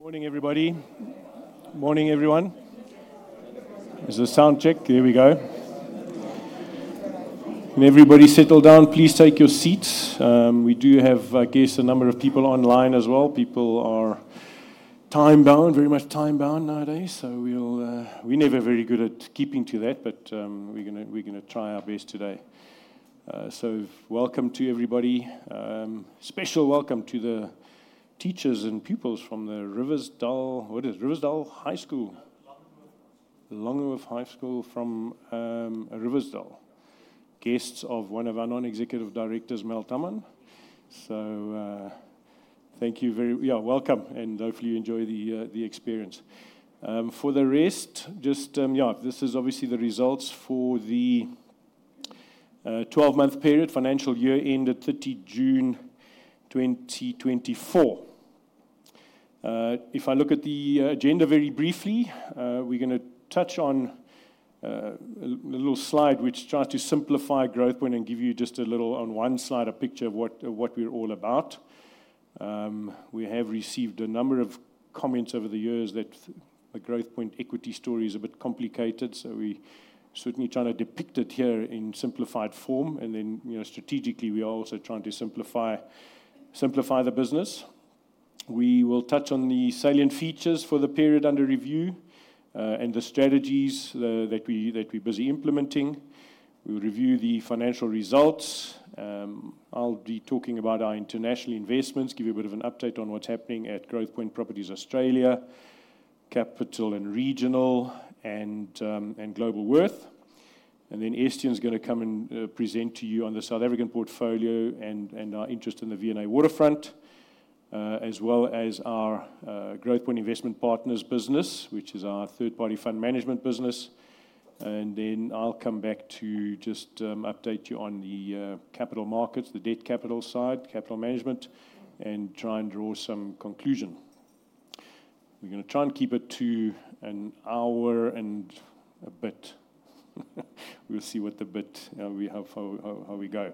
Morning, everybody. Morning, everyone. There's a soundcheck. Here we go. Can everybody settle down? Please take your seats. We do have, I guess, a number of people online as well. People are time-bound, very much time-bound nowadays, so we'll... We're never very good at keeping to that, but, we're gonna try our best today. So welcome to everybody. Special welcome to the teachers and pupils from the Riversdale, what is it? Riversdale High School. Langenhoven High School from Riversdale, guests of one of our non-executive directors, Melt Hamman. So thank you very-- Yeah, welcome, and hopefully you enjoy the experience. For the rest, just yeah, this is obviously the results for the 12-month period, financial year ended 30 June 2024. If I look at the agenda very briefly, we're gonna touch on a little slide which tries to simplify Growthpoint and give you just a little, on one slide, a picture of what we're all about. We have received a number of comments over the years that the Growthpoint equity story is a bit complicated, so we certainly trying to depict it here in simplified form. Then, you know, strategically, we are also trying to simplify the business. We will touch on the salient features for the period under review, and the strategies that we're busy implementing. We'll review the financial results. I'll be talking about our international investments, give you a bit of an update on what's happening at Growthpoint Properties Australia, Capital & Regional, and Globalworth. And then Estienne's gonna come and present to you on the South African portfolio and our interest in the V&A Waterfront, as well as our Growthpoint Investment Partners business, which is our third-party fund management business. And then I'll come back to just update you on the capital markets, the debt capital side, capital management, and try and draw some conclusion. We're gonna try and keep it to an hour and a bit. We'll see what the bit we have, how we go.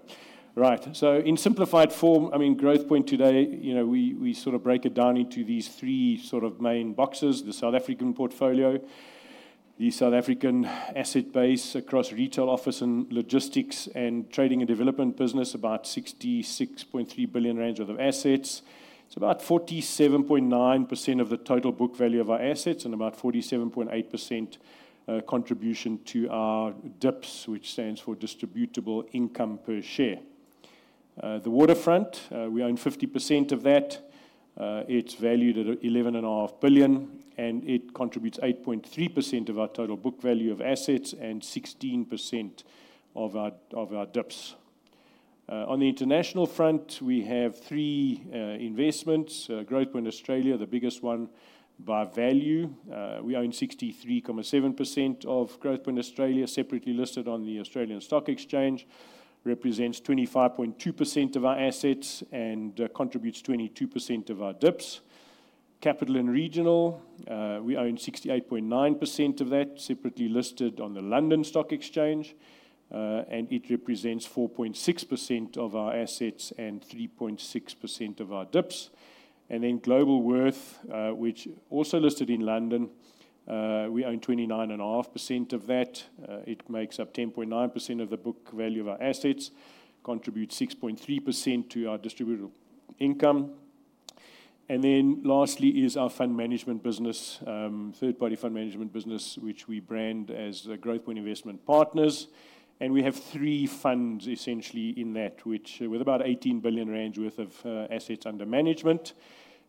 Right. So in simplified form, I mean, Growthpoint today, you know, we sort of break it down into these three sort of main boxes: the South African portfolio, the South African asset base across retail, office, and logistics, and trading and development business, about 66.3 billion rand worth of assets. It's about 47.9% of the total book value of our assets and about 47.8% contribution to our DIPS, which stands for Distributable Income Per Share. The waterfront, we own 50% of that. It's valued at 11.5 billion, and it contributes 8.3% of our total book value of assets and 16% of our DIPS. On the international front, we have three investments. Growthpoint Australia, the biggest one by value. We own 63.7% of Growthpoint Australia, separately listed on the Australian Stock Exchange. It represents 25.2% of our assets and contributes 22% of our DIPS. Capital & Regional, we own 68.9% of that, separately listed on the London Stock Exchange, and it represents 4.6% of our assets and 3.6% of our DIPS. Globalworth, which also listed in London, we own 29.5% of that. It makes up 10.9% of the book value of our assets, contributes 6.3% to our distributable income. Lastly is our fund management business, third-party fund management business, which we brand as Growthpoint Investment Partners. We have three funds essentially in that, which with about 18 billion rand worth of assets under management.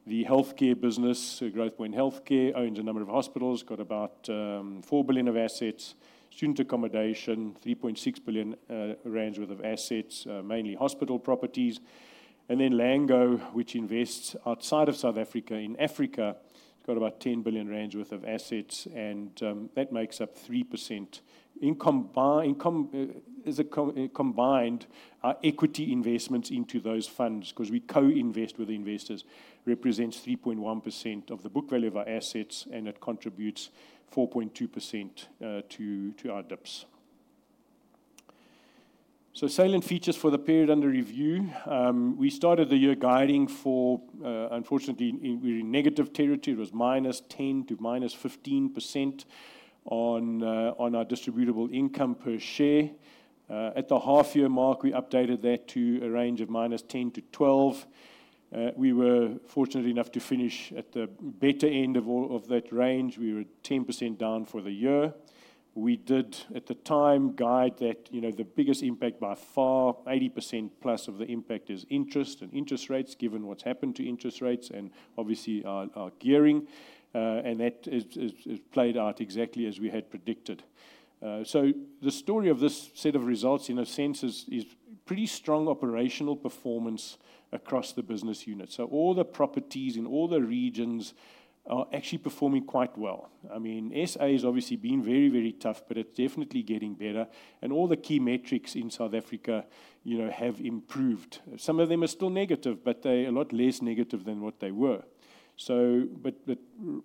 The healthcare business, Growthpoint Healthcare, owns a number of hospitals, got about 4 billion of assets. Student accommodation, 3.6 billion rand worth of assets, mainly hospital properties. And then Lango, which invests outside of South Africa, in Africa, it's got about 10 billion rand worth of assets, and that makes up 3%. Combined, our equity investments into those funds, 'cause we co-invest with the investors, represents 3.1% of the book value of our assets, and it contributes 4.2% to our DIPS. So salient features for the period under review. We started the year guiding for, unfortunately, in negative territory. It was minus 10 to minus 15% on our distributable income per share. At the half year mark, we updated that to a range of minus 10%-12%. We were fortunate enough to finish at the better end of all of that range. We were 10% down for the year. We did at the time guide that, you know, the biggest impact by far, 80% plus of the impact is interest and interest rates, given what's happened to interest rates and obviously our gearing. And that has played out exactly as we had predicted, so the story of this set of results, in a sense, is pretty strong operational performance across the business units, so all the properties in all the regions are actually performing quite well. I mean, SA has obviously been very, very tough, but it's definitely getting better, and all the key metrics in South Africa, you know, have improved. Some of them are still negative, but they are a lot less negative than what they were. So but,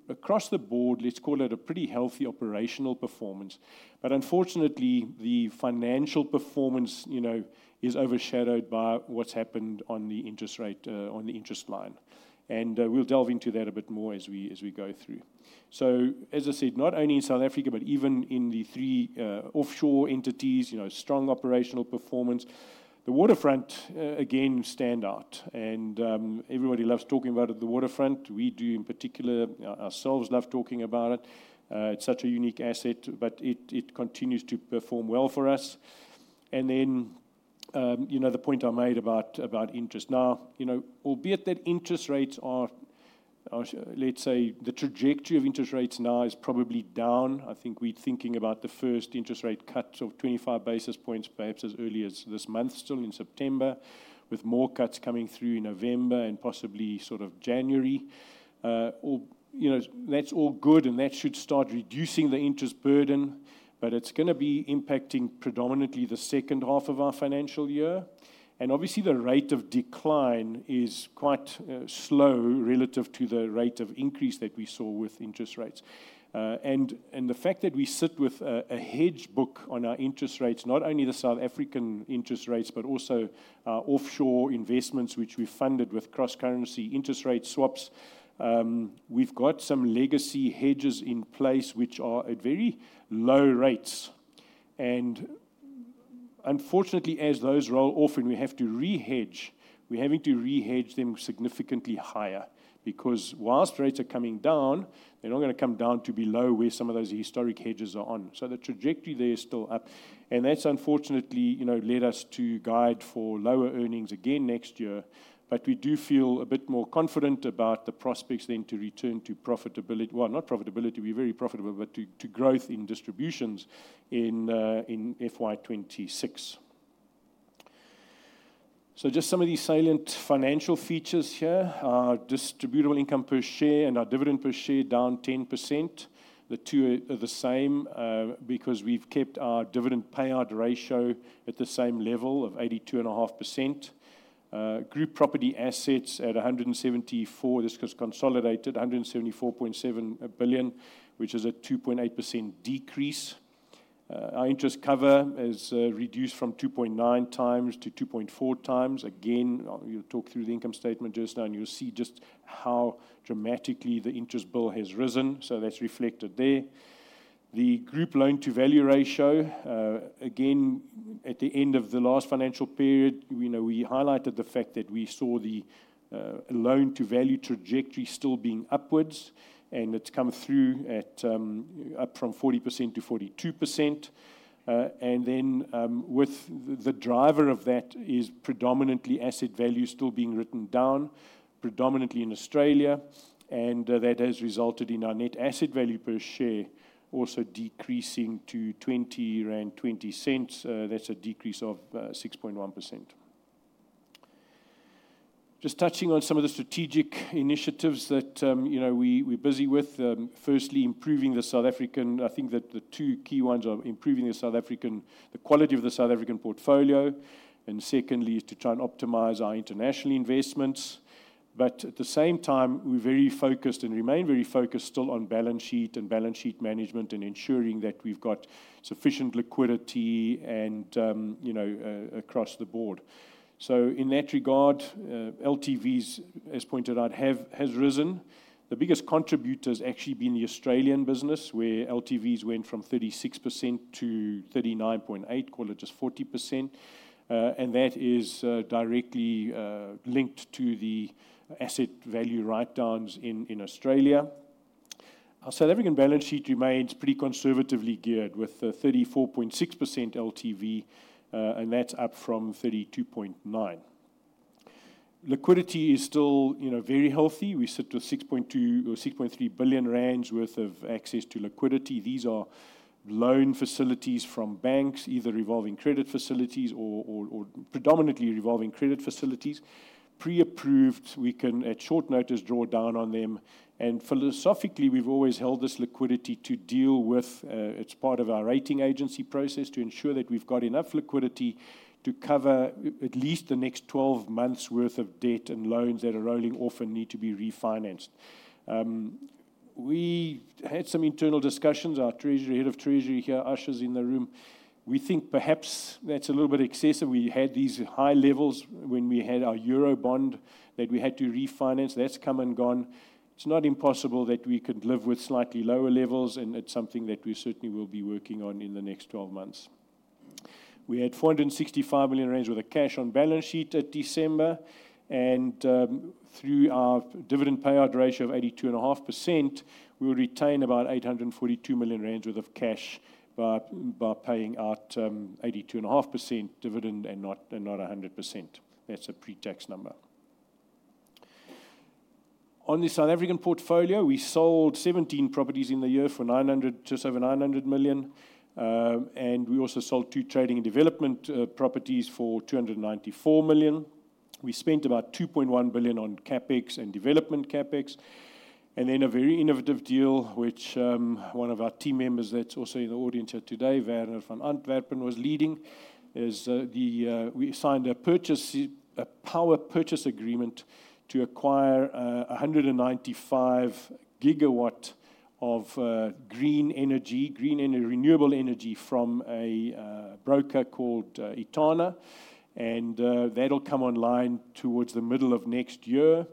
across the board, let's call it a pretty healthy operational performance. But unfortunately, the financial performance, you know, is overshadowed by what's happened on the interest rate, on the interest line. And, we'll delve into that a bit more as we go through. So, as I said, not only in South Africa, but even in the three, offshore entities, you know, strong operational performance. The waterfront, again, stands out, and, everybody loves talking about the waterfront. We do, in particular, ourselves, love talking about it. It's such a unique asset, but it continues to perform well for us. You know, the point I made about interest. Now, you know, albeit that interest rates are, let's say, the trajectory of interest rates now is probably down. I think we're thinking about the first interest rate cuts of 25 basis points, perhaps as early as this month, still in September, with more cuts coming through in November and possibly sort of January. Or, you know, that's all good, and that should start reducing the interest burden, but it's gonna be impacting predominantly the second half of our financial year. And obviously, the rate of decline is quite slow relative to the rate of increase that we saw with interest rates. And the fact that we sit with a hedge book on our interest rates, not only the South African interest rates, but also offshore investments, which we funded with cross-currency interest rate swaps. We've got some legacy hedges in place, which are at very low rates, and unfortunately, as those roll off and we have to re-hedge, we're having to re-hedge them significantly higher. Because whilst rates are coming down, they're not gonna come down to below where some of those historic hedges are on. So the trajectory there is still up, and that's unfortunately, you know, led us to guide for lower earnings again next year. But we do feel a bit more confident about the prospects then to return to profitability - well, not profitability, we're very profitable, but to growth in distributions in FY 2026. Just some of these salient financial features here. Our distributable income per share and our dividend per share down 10%. The two are the same because we've kept our dividend payout ratio at the same level of 82.5%. Group property assets at 174. This was consolidated, 174.7 billion, which is a 2.8% decrease. Our interest cover is reduced from 2.9x-2.4x. Again, you'll talk through the income statement just now, and you'll see just how dramatically the interest bill has risen, so that's reflected there. The group loan-to-value ratio, again, at the end of the last financial period, you know, we highlighted the fact that we saw the loan-to-value trajectory still being upwards, and it's come through at up from 40%-42%. And then, with the driver of that is predominantly asset value still being written down, predominantly in Australia, and that has resulted in our net asset value per share also decreasing to 20.20 rand. That's a decrease of 6.1%. Just touching on some of the strategic initiatives that, you know, we, we're busy with. Firstly, I think that the two key ones are improving the quality of the South African portfolio, and secondly, is to try and optimize our international investments. But at the same time, we're very focused and remain very focused still on balance sheet and balance sheet management and ensuring that we've got sufficient liquidity and, you know, across the board. So in that regard, LTVs, as pointed out, have, has risen. The biggest contributor has actually been the Australian business, where LTVs went from 36% to 39.8%, call it just 40%. And that is directly linked to the asset value write-downs in Australia. Our South African balance sheet remains pretty conservatively geared, with a 34.6% LTV, and that's up from 32.9%. Liquidity is still, you know, very healthy. We sit with 6.2 billion or 6.3 billion rands worth of access to liquidity. These are loan facilities from banks, either revolving credit facilities or predominantly revolving credit facilities, we can at short notice draw down on them. And philosophically, we've always held this liquidity to deal with. It's part of our rating agency process to ensure that we've got enough liquidity to cover for at least the next 12 months worth of debt and loans that are rolling off and need to be refinanced. We had some internal discussions, our treasury, Head of Treasury here, Yusha in the room. We think perhaps, that's a little bit excessive. We had these high levels when we had our Eurobond that we have to refinance. That's come and gone. It's not possible that we could live with sligthly lower levels, and it's something that we certainly will be working on in the next 12 months. We had 465 million rand worth of cash on balance sheet at December, and through our dividend payout ratio of 82.5%, we will retain about 842 million rand worth of cash by paying out 82.5% dividend and not 100%. That's a pre-tax number. On the South African portfolio, we sold 17 properties in the year for just over 900 million, and we also sold two trading and development properties for 294 million. We spent about 2.1 billion on CapEx and development CapEx. And then a very innovative deal, which one of our team members that's also in the audience here today, Werner van Antwerpen, was leading, is the. We signed a purchase, a power purchase agreement, to acquire a hundred and ninety-five gigawatt of green energy, renewable energy, from a broker called Etana, and that'll come online towards the middle of next year.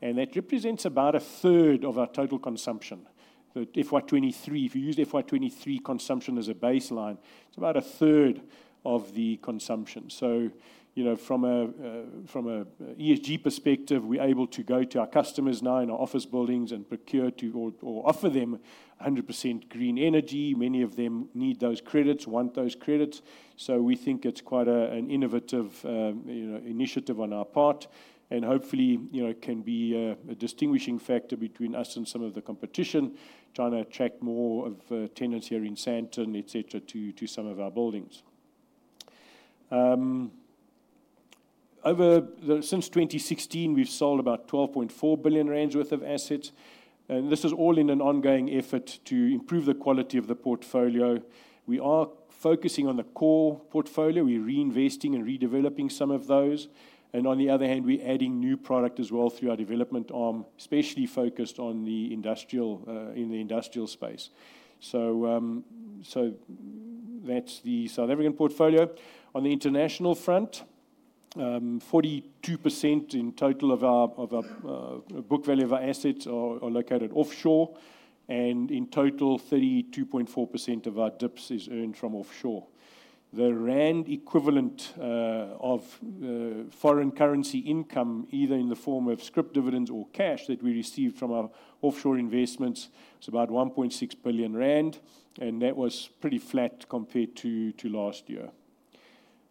That represents about a third of our total consumption, FY 2023, if we use FY 2023 consumption as a baseline, it's about a third of the consumption. So, you know, from a ESG perspective, we're able to go to our customers now in our office buildings and procure to or offer them 100% green energy. Many of them need those credits, want those credits. So we think it's quite an innovative, you know, initiative on our part, and hopefully, you know, it can be a distinguishing factor between us and some of the competition, trying to attract more tenants here in Sandton, et cetera, to some of our buildings. Since 2016, we've sold about 12.4 billion rand worth of assets, and this is all in an ongoing effort to improve the quality of the portfolio. We are focusing on the core portfolio. We're reinvesting and redeveloping some of those, and on the other hand, we're adding new product as well through our development arm, especially focused on the industrial in the industrial space. So that's the South African portfolio. On the international front, 42% in total of our book value of our assets are located offshore, and in total, 32.4% of our DIPS is earned from offshore. The rand equivalent of foreign currency income, either in the form of scrip dividends or cash that we received from our offshore investments, is about 1.6 billion rand, and that was pretty flat compared to last year.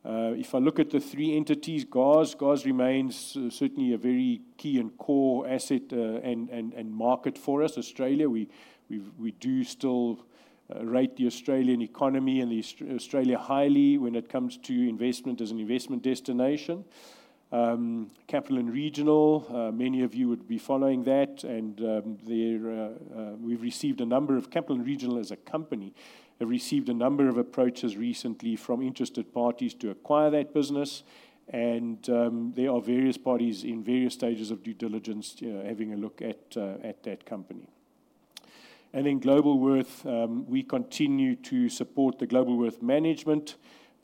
If I look at the three entities, GOZ. GOZ remains certainly a very key and core asset, and market for us. Australia, we do still rate the Australian economy and Australia highly when it comes to investment as an investment destination. Capital & Regional, many of you would be following that, and Capital & Regional as a company have received a number of approaches recently from interested parties to acquire that business, and there are various parties in various stages of due diligence, having a look at that company. Then Globalworth, we continue to support the Globalworth management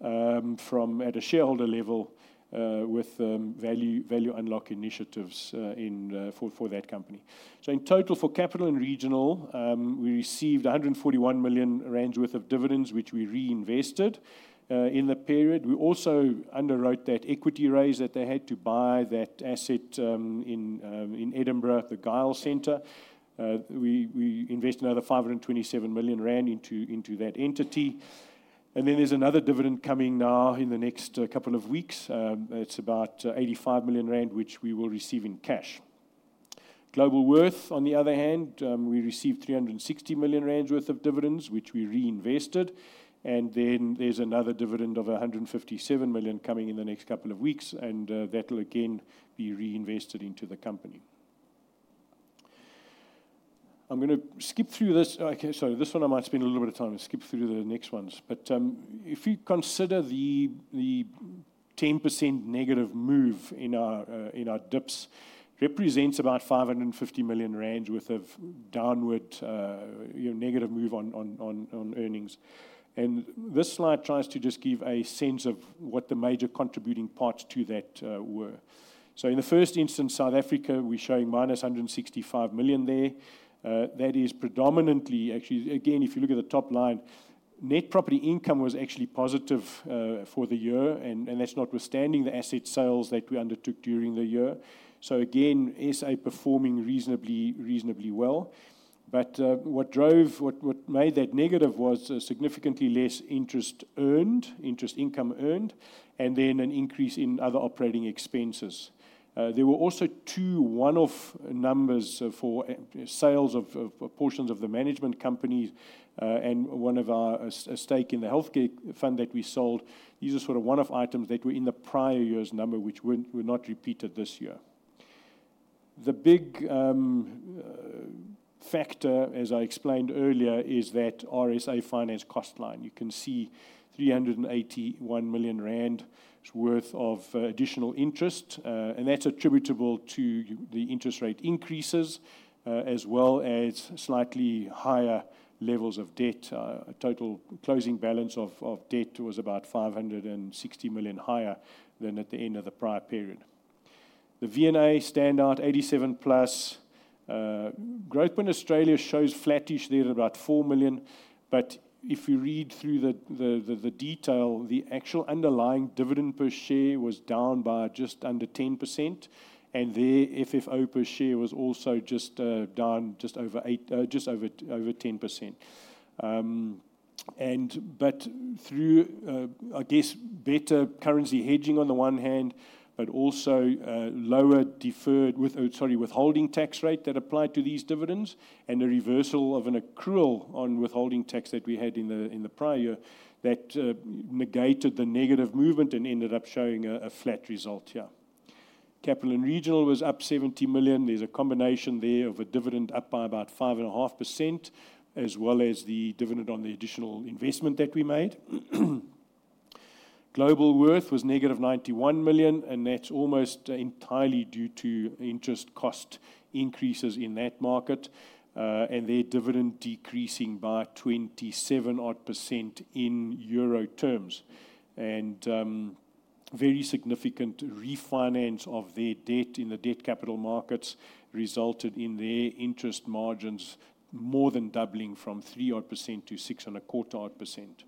from a shareholder level with value unlock initiatives for that company. So in total, for Capital & Regional, we received 141 million worth of dividends, which we reinvested in the period. We also underwrote that equity raise that they had to buy that asset in Edinburgh, the Gyle Centre. We invested another 527 million rand into that entity, and then there's another dividend coming now in the next couple of weeks. It's about 85 million rand, which we will receive in cash. Globalworth, on the other hand, we received 360 million rands worth of dividends, which we reinvested, and then there's another dividend of 157 million coming in the next couple of weeks, and that will again be reinvested into the company. I'm gonna skip through this. Okay, so this one, I might spend a little bit of time and skip through the next ones. But if you consider the 10% negative move in our DIPS, represents about 550 million rand worth of downward, you know, negative move on earnings. And this slide tries to just give a sense of what the major contributing parts to that were. So in the first instance, South Africa, we're showing -165 million there. That is predominantly... Actually, again, if you look at the top line, net property income was actually positive for the year, and that's notwithstanding the asset sales that we undertook during the year. So again, SA performing reasonably well. But what drove what made that negative was significantly less interest earned, interest income earned, and then an increase in other operating expenses. There were also two one-off numbers for sales of portions of the management companies and one of our stake in the healthcare fund that we sold. These are sort of one-off items that were in the prior year's number, which were not repeated this year. The big factor, as I explained earlier, is that RSA finance cost line. You can see 381 million rand worth of additional interest, and that's attributable to the interest rate increases as well as slightly higher levels of debt. A total closing balance of debt was about 560 million higher than at the end of the prior period. The V&A standard, 87 plus. Growthpoint Australia shows flattish there at about 4 million, but if you read through the detail, the actual underlying dividend per share was down by just under 10%, and their FFO per share was also just down just over 10%. And but through, I guess, better currency hedging on the one hand, but also, lower withholding tax rate that applied to these dividends and a reversal of an accrual on withholding tax that we had in the prior year, that negated the negative movement and ended up showing a flat result here. Capital & Regional was up 70 million. There's a combination there of a dividend up by about 5.5%, as well as the dividend on the additional investment that we made. Globalworth was negative 91 million, and that's almost entirely due to interest cost increases in that market, and their dividend decreasing by 27 odd% in EUR terms. Very significant refinance of their debt in the debt capital markets resulted in their interest margins more than doubling from 3 odd%-6.25 odd%. Growthpoint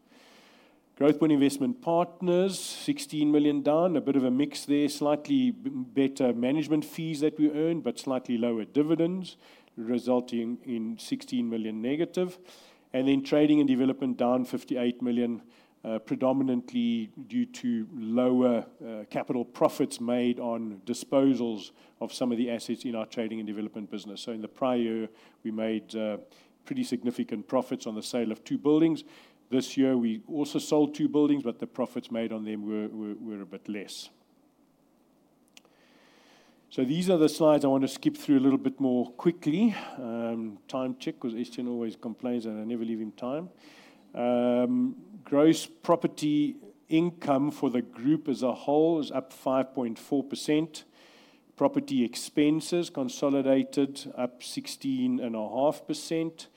Investment Partners, 16 million down, a bit of a mix there, slightly better management fees that we earned, but slightly lower dividends, resulting in 16 million negative. Then Trading and Development down 58 million, predominantly due to lower capital profits made on disposals of some of the assets in our trading and development business. In the prior year, we made pretty significant profits on the sale of two buildings. This year, we also sold two buildings, but the profits made on them were a bit less. So these are the slides I want to skip through a little bit more quickly. Time check, because Ashton always complains that I never leave him time. Gross property income for the group as a whole is up 5.4%. Property expenses consolidated, up 16.5%.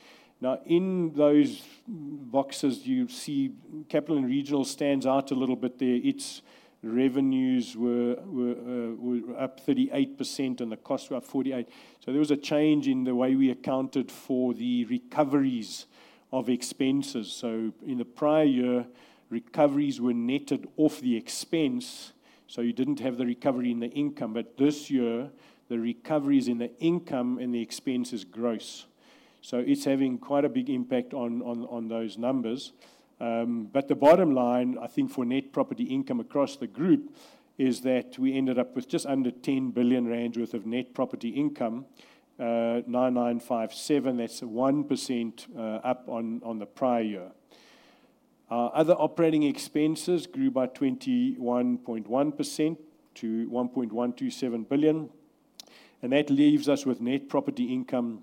Now, in those boxes, you see Capital & Regional stands out a little bit there. Its revenues were up 38%, and the costs were up 48%. So there was a change in the way we accounted for the recoveries of expenses. So in the prior year, recoveries were netted off the expense, so you didn't have the recovery in the income. But this year, the recovery is in the income, and the expense is gross. So it's having quite a big impact on those numbers. But the bottom line, I think, for net property income across the group is that we ended up with just under 10 billion rand worth of net property income, 9,957. That's 1% up on the prior year. Other operating expenses grew by 21.1% to 1.127 billion, and that leaves us with net property income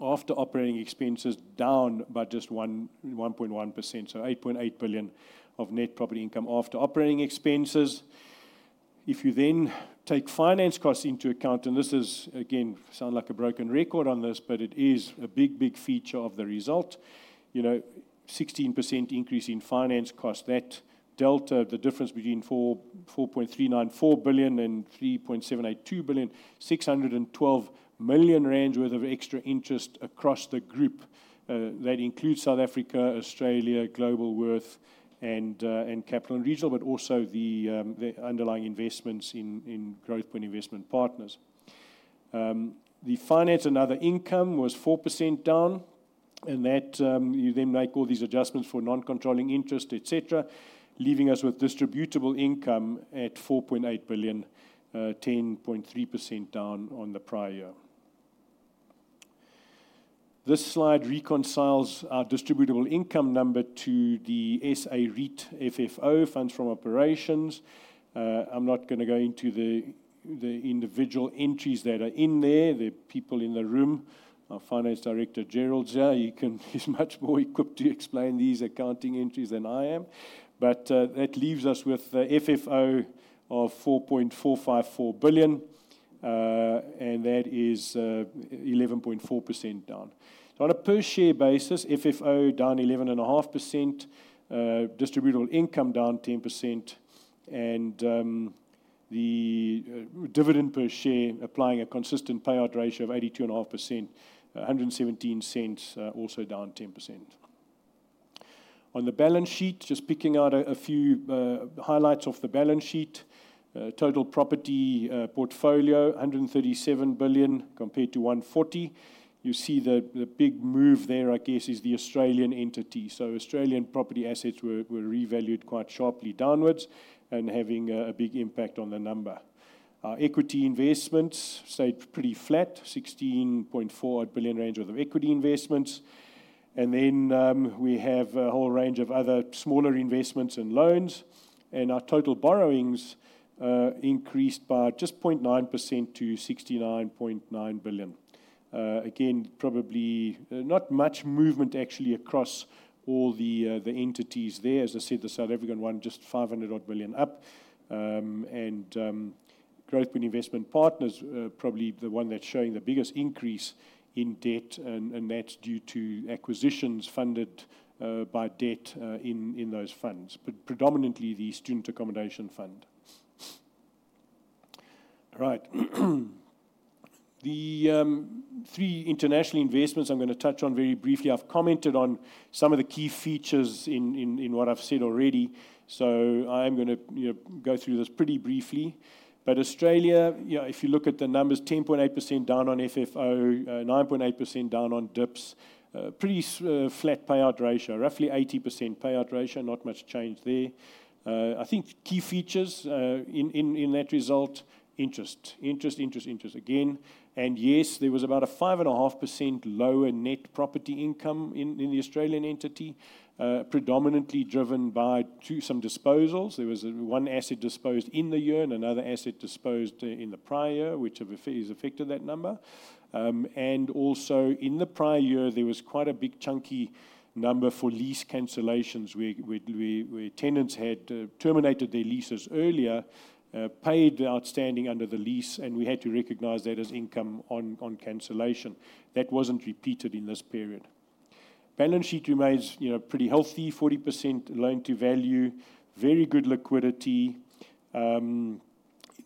after operating expenses down by just 1.1%. So 8.8 billion of net property income after operating expenses. If you then take finance costs into account, and this is, again, sound like a broken record on this, but it is a big, big feature of the result. You know, 16% increase in finance costs, that delta, the difference between 4.394 billion and 3.782 billion, 612 million rand worth of extra interest across the group. That includes South Africa, Australia, Globalworth, and Capital & Regional, but also the underlying investments in Growthpoint Investment Partners. The finance and other income was 4% down, and that, you then make all these adjustments for non-controlling interest, et cetera, leaving us with distributable income at 4.8 billion, 10.3% down on the prior year. This slide reconciles our distributable income number to the SA REIT FFO, funds from operations. I'm not gonna go into the individual entries that are in there. There are people in the room. Our Finance Director, Gerald, here, he can, he's much more equipped to explain these accounting entries than I am. But that leaves us with a FFO of 4.454 billion, and that is 11.4% down. On a per share basis, FFO down 11.5%, distributable income down 10%, and the dividend per share applying a consistent payout ratio of 82.5%, 1.17, also down 10%. On the balance sheet, just picking out a few highlights off the balance sheet, total property portfolio 137 billion compared to 140 billion. You see the big move there, I guess, is the Australian entity. Australian property assets were revalued quite sharply downwards and having a big impact on the number. Our equity investments stayed pretty flat, 16.4 billion worth of equity investments. And then, we have a whole range of other smaller investments and loans, and our total borrowings increased by just 0.9% to 69.9 billion. Again, probably, not much movement actually across all the entities there. As I said, the South African one, just 500-odd billion up. And, Growthpoint Investment Partners are probably the one that's showing the biggest increase in debt, and that's due to acquisitions funded by debt in those funds, but predominantly the student accommodation fund. Right. The three international investments I'm gonna touch on very briefly. I've commented on some of the key features in what I've said already, so I am gonna, you know, go through this pretty briefly. But Australia, you know, if you look at the numbers, 10.8% down on FFO, 9.8% down on DIPS, pretty stable, flat payout ratio, roughly 80% payout ratio, not much change there. I think key features in that result: interest. Interest, interest, interest again. And yes, there was about a 5.5% lower net property income in the Australian entity, predominantly driven by two some disposals. There was one asset disposed in the year and another asset disposed in the prior year, which has affected that number. And also in the prior year, there was quite a big chunky number for lease cancellations, where tenants had terminated their leases earlier, paid the outstanding under the lease, and we had to recognize that as income on cancellation. That wasn't repeated in this period. Balance sheet remains, you know, pretty healthy, 40% loan-to-value, very good liquidity.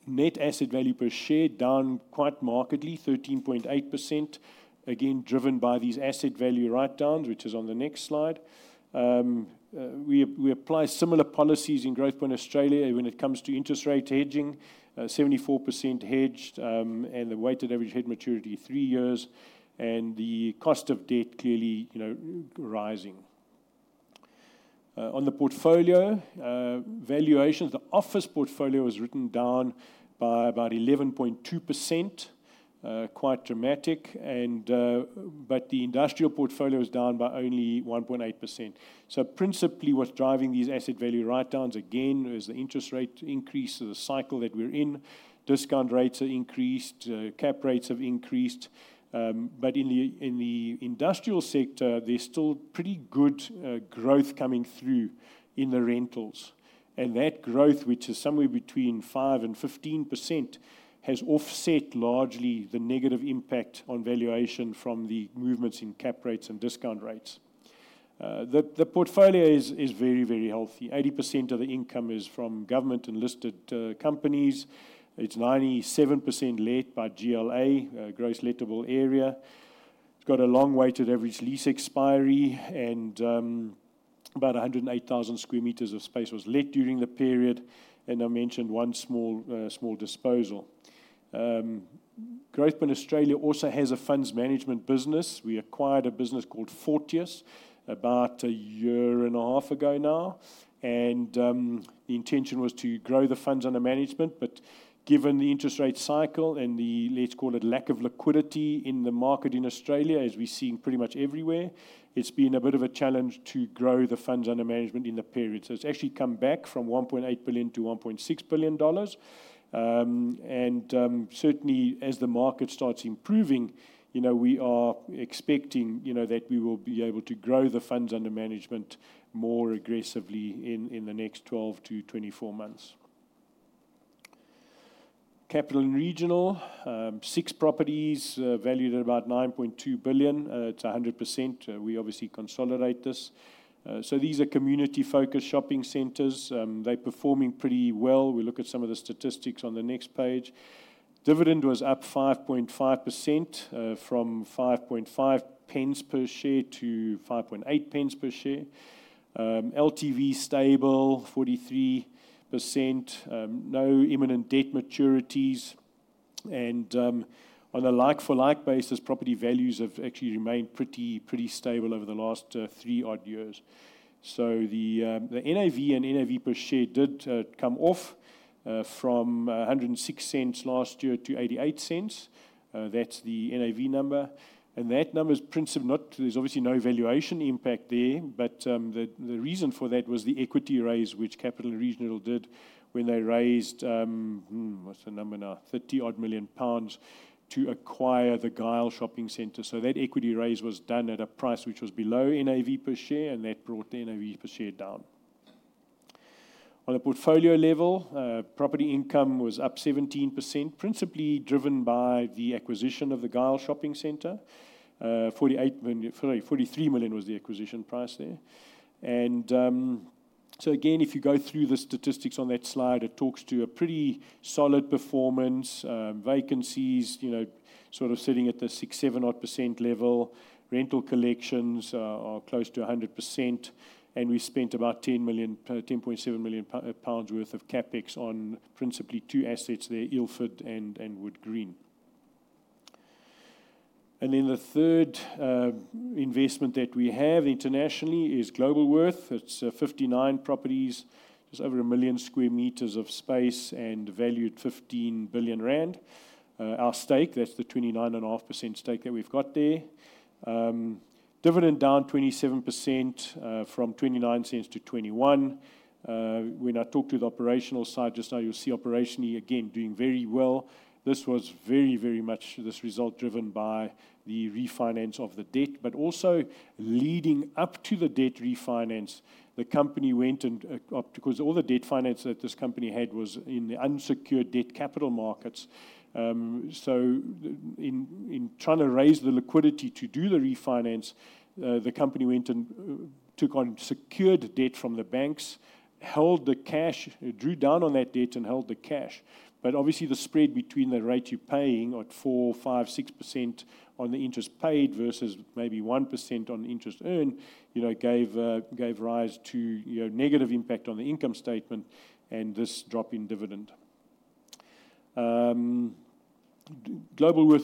Net asset value per share down quite markedly, 13.8%, again, driven by these asset value write-downs, which is on the next slide. We apply similar policies in Growthpoint Australia when it comes to interest rate hedging. 74% hedged, and the weighted average hedge maturity, three years, and the cost of debt clearly, you know, rising. On the portfolio valuations, the office portfolio was written down by about 11.2%. Quite dramatic, and, but the industrial portfolio is down by only 1.8%. So principally, what's driving these asset value write-downs again, is the interest rate increase of the cycle that we're in. Discount rates are increased, cap rates have increased, but in the industrial sector, there's still pretty good growth coming through in the rentals. And that growth, which is somewhere between 5% and 15%, has offset largely the negative impact on valuation from the movements in cap rates and discount rates. The portfolio is very, very healthy. 80% of the income is from government and listed companies. It's 97% let by GLA, Gross Lettable Area. It's got a long weighted average lease expiry and, about 108,000 sq m of space was let during the period, and I mentioned one small disposal. Growthpoint Australia also has a funds management business. We acquired a business called Fortius about a year and a half ago now, and, the intention was to grow the funds under management. But given the interest rate cycle and the, let's call it lack of liquidity in the market in Australia, as we're seeing pretty much everywhere, it's been a bit of a challenge to grow the funds under management in the period. So it's actually come back from 1.8 billion-1.6 billion dollars. Certainly, as the market starts improving, you know, we are expecting, you know, that we will be able to grow the funds under management more aggressively in the next 12-24 months. Capital and Regional, six properties valued at about 9.2 billion. It's 100%. We obviously consolidate this. So these are community-focused shopping centers. They're performing pretty well. We look at some of the statistics on the next page. Dividend was up 5.5%, from 5.5 pence per share to 5.8 pence per share. LTV stable, 43%. No imminent debt maturities. And, on a like-for-like basis, property values have actually remained pretty, pretty stable over the last three odd years. The NAV and NAV per share did come off from 1.06 last year to 0.88. That's the NAV number, and that number is principally not... There's obviously no valuation impact there, but the reason for that was the equity raise, which Capital & Regional did when they raised 30-odd million pounds to acquire the Gyle Shopping Centre. That equity raise was done at a price which was below NAV per share, and that brought the NAV per share down. On a portfolio level, property income was up 17%, principally driven by the acquisition of the Gyle Shopping Centre. 43 million GBP was the acquisition price there. If you go through the statistics on that slide, it talks to a pretty solid performance. Vacancies, you know, sort of sitting at the 6-7% level. Rental collections are close to 100%, and we spent about 10 million, 10.7 million pounds worth of CapEx on principally two assets there, Ilford and Wood Green. Then the third investment that we have internationally is Globalworth. It's 59 properties. It's over a million sq m of space and valued at 15 billion rand. Our stake, that's the 29.5% stake that we've got there. Dividend down 27%, from 29 cents to 21. When I talked to the operational side just now, you'll see operationally, again, doing very well. This was very, very much this result driven by the refinance of the debt. But also leading up to the debt refinance, the company went and Because all the debt finance that this company had was in the unsecured debt capital markets. So in trying to raise the liquidity to do the refinance, the company went and took on secured debt from the banks, held the cash, drew down on that debt, and held the cash. But obviously, the spread between the rate you're paying at 4%-6% on the interest paid versus maybe 1% on interest earned, you know, gave rise to, you know, negative impact on the income statement and this drop in dividend. Globalworth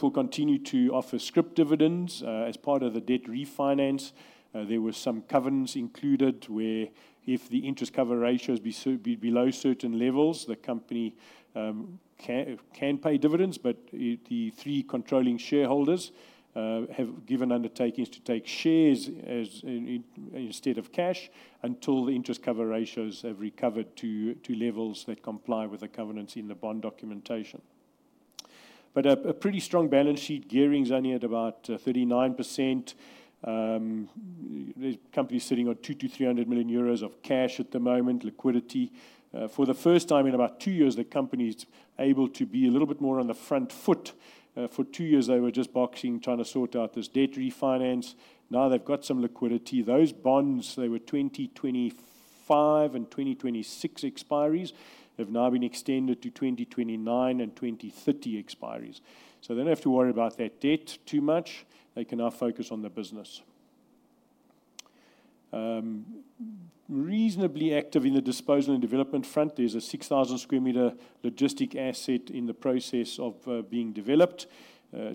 will continue to offer scrip dividends. As part of the debt refinance, there were some covenants included, where if the interest cover ratios be below certain levels, the company can pay dividends. But, the three controlling shareholders have given undertakings to take shares as in, instead of cash, until the interest cover ratios have recovered to levels that comply with the covenants in the bond documentation. But a pretty strong balance sheet. Gearing is only at about 39%. The company is sitting on 200 million-300 million euros of cash at the moment, liquidity. For the first time in about two years, the company is able to be a little bit more on the front foot. For two years, they were just boxing, trying to sort out this debt refinance. Now, they've got some liquidity. Those bonds, they were 2025 and 2026 expiries, have now been extended to 2029 and 2030 expiries. So they don't have to worry about that debt too much. They can now focus on the business. Reasonably active in the disposal and development front. There's a 6,000 sq m logistics asset in the process of being developed.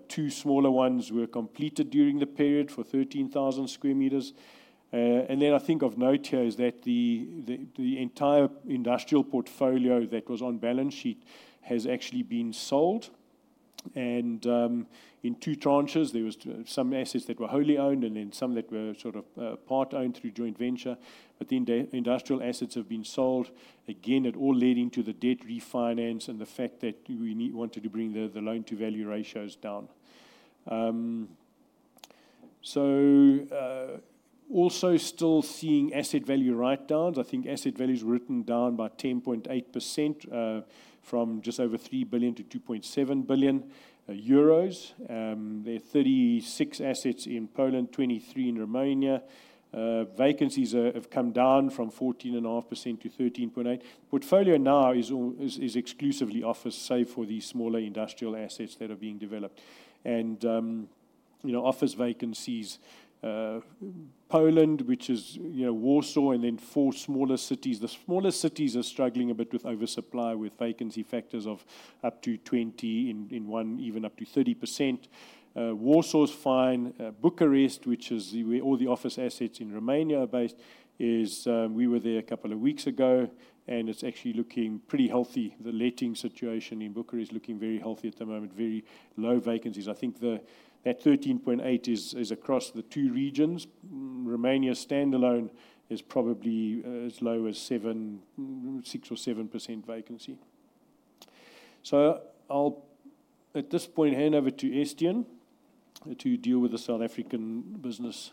Two smaller ones were completed during the period for 13,000 sq m. And then I think of note here is that the entire industrial portfolio that was on balance sheet has actually been sold and in two tranches, there was some assets that were wholly owned and then some that were sort of part owned through joint venture. But then the industrial assets have been sold. Again, it all leading to the debt refinance and the fact that we need, wanted to bring the, the loan to value ratios down. So, also still seeing asset value write downs. I think asset value is written down by 10.8%, from just over 3 billion-2.7 billion euros. There are 36 assets in Poland, 23 in Romania. Vacancies have come down from 14.5%-13.8%. Portfolio now is exclusively office, save for these smaller industrial assets that are being developed. And, you know, office vacancies, Poland, which is, you know, Warsaw, and then four smaller cities. The smaller cities are struggling a bit with oversupply, with vacancy factors of up to 20% in one, even up to 30%. Warsaw is fine. Bucharest, which is where all the office assets in Romania are based, is. We were there a couple of weeks ago, and it's actually looking pretty healthy. The letting situation in Bucharest is looking very healthy at the moment. Very low vacancies. I think that 13.8 is across the two regions. Romania standalone is probably as low as 7, 6 or 7% vacancy. So I'll at this point hand over to Estienne to deal with the South African business,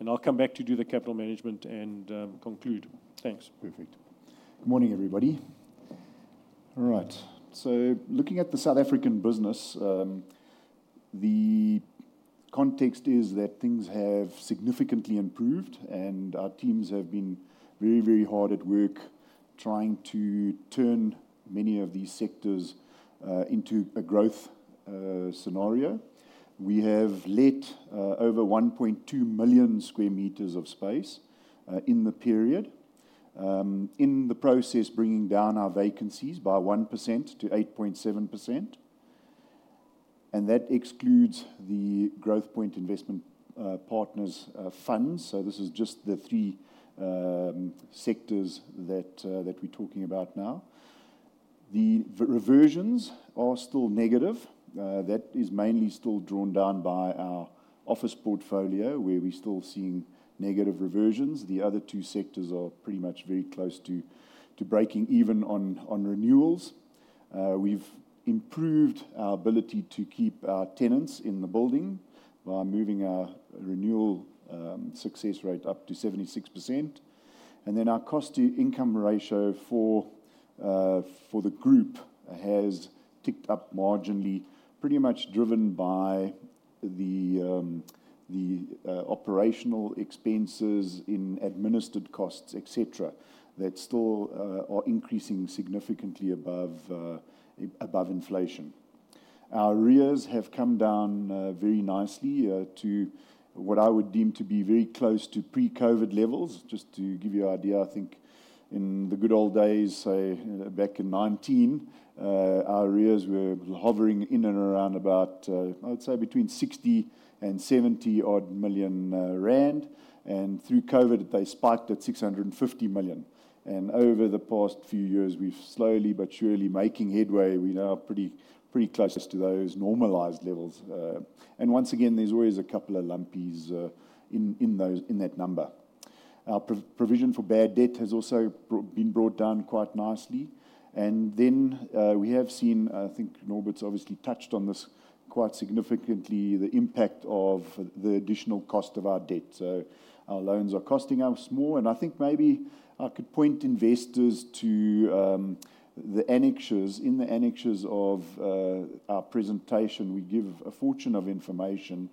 and I'll come back to do the capital management and conclude. Thanks. Perfect. Good morning, everybody. All right. So looking at the South African business, the context is that things have significantly improved, and our teams have been very, very hard at work trying to turn many of these sectors into a growth scenario. We have let over 1.2 million sq m of space in the period. In the process, bringing down our vacancies by 1%-8.7%, and that excludes the Growthpoint Investment Partners funds. So this is just the three sectors that we're talking about now. The reversions are still negative. That is mainly still drawn down by our office portfolio, where we're still seeing negative reversions. The other two sectors are pretty much very close to breaking even on renewals. We've improved our ability to keep our tenants in the building by moving our renewal success rate up to 76%. And then our cost to income ratio for the group has ticked up marginally, pretty much driven by the operational expenses in administered costs, etc., that still are increasing significantly above inflation. Our arrears have come down very nicely to what I would deem to be very close to pre-COVID levels. Just to give you an idea, I think in the good old days, say, back in nineteen, our arrears were hovering in and around about, I'd say between 60 million and 70-odd million rand, and through COVID, they spiked at 650 million. And over the past few years, we've slowly but surely making headway. We now are pretty, pretty close to those normalized levels. And once again, there's always a couple of lumpies in that number. Our provision for bad debt has also been brought down quite nicely. And then we have seen, I think Norbert's obviously touched on this quite significantly, the impact of the additional cost of our debt. So our loans are costing us more, and I think maybe I could point investors to the annexures. In the annexures of our presentation, we give a fountain of information,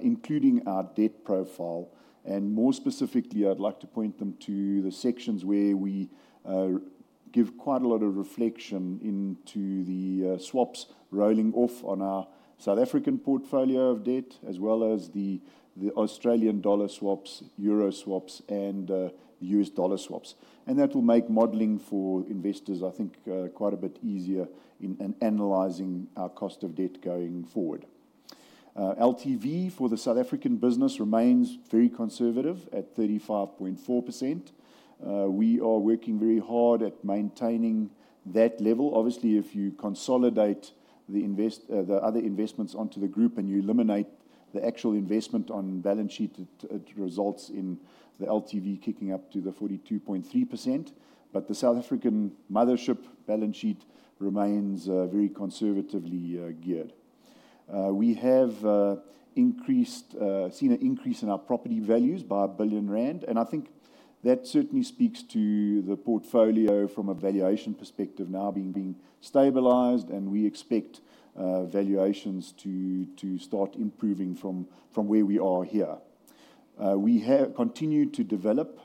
including our debt profile. And more specifically, I'd like to point them to the sections where we give quite a lot of reflection into the swaps rolling off on our South African portfolio of debt, as well as the Australian dollar swaps, euro swaps, and US dollar swaps. And that will make modeling for investors, I think, quite a bit easier in analyzing our cost of debt going forward. LTV for the South African business remains very conservative at 35.4%. We are working very hard at maintaining that level. Obviously, if you consolidate the other investments onto the group, and you eliminate the actual investment on balance sheet, it results in the LTV kicking up to the 42.3%. But the South African mothership balance sheet remains very conservatively geared. We have seen an increase in our property values by 1 billion rand, and I think that certainly speaks to the portfolio from a valuation perspective now being stabilized, and we expect valuations to start improving from where we are here. We have continued to develop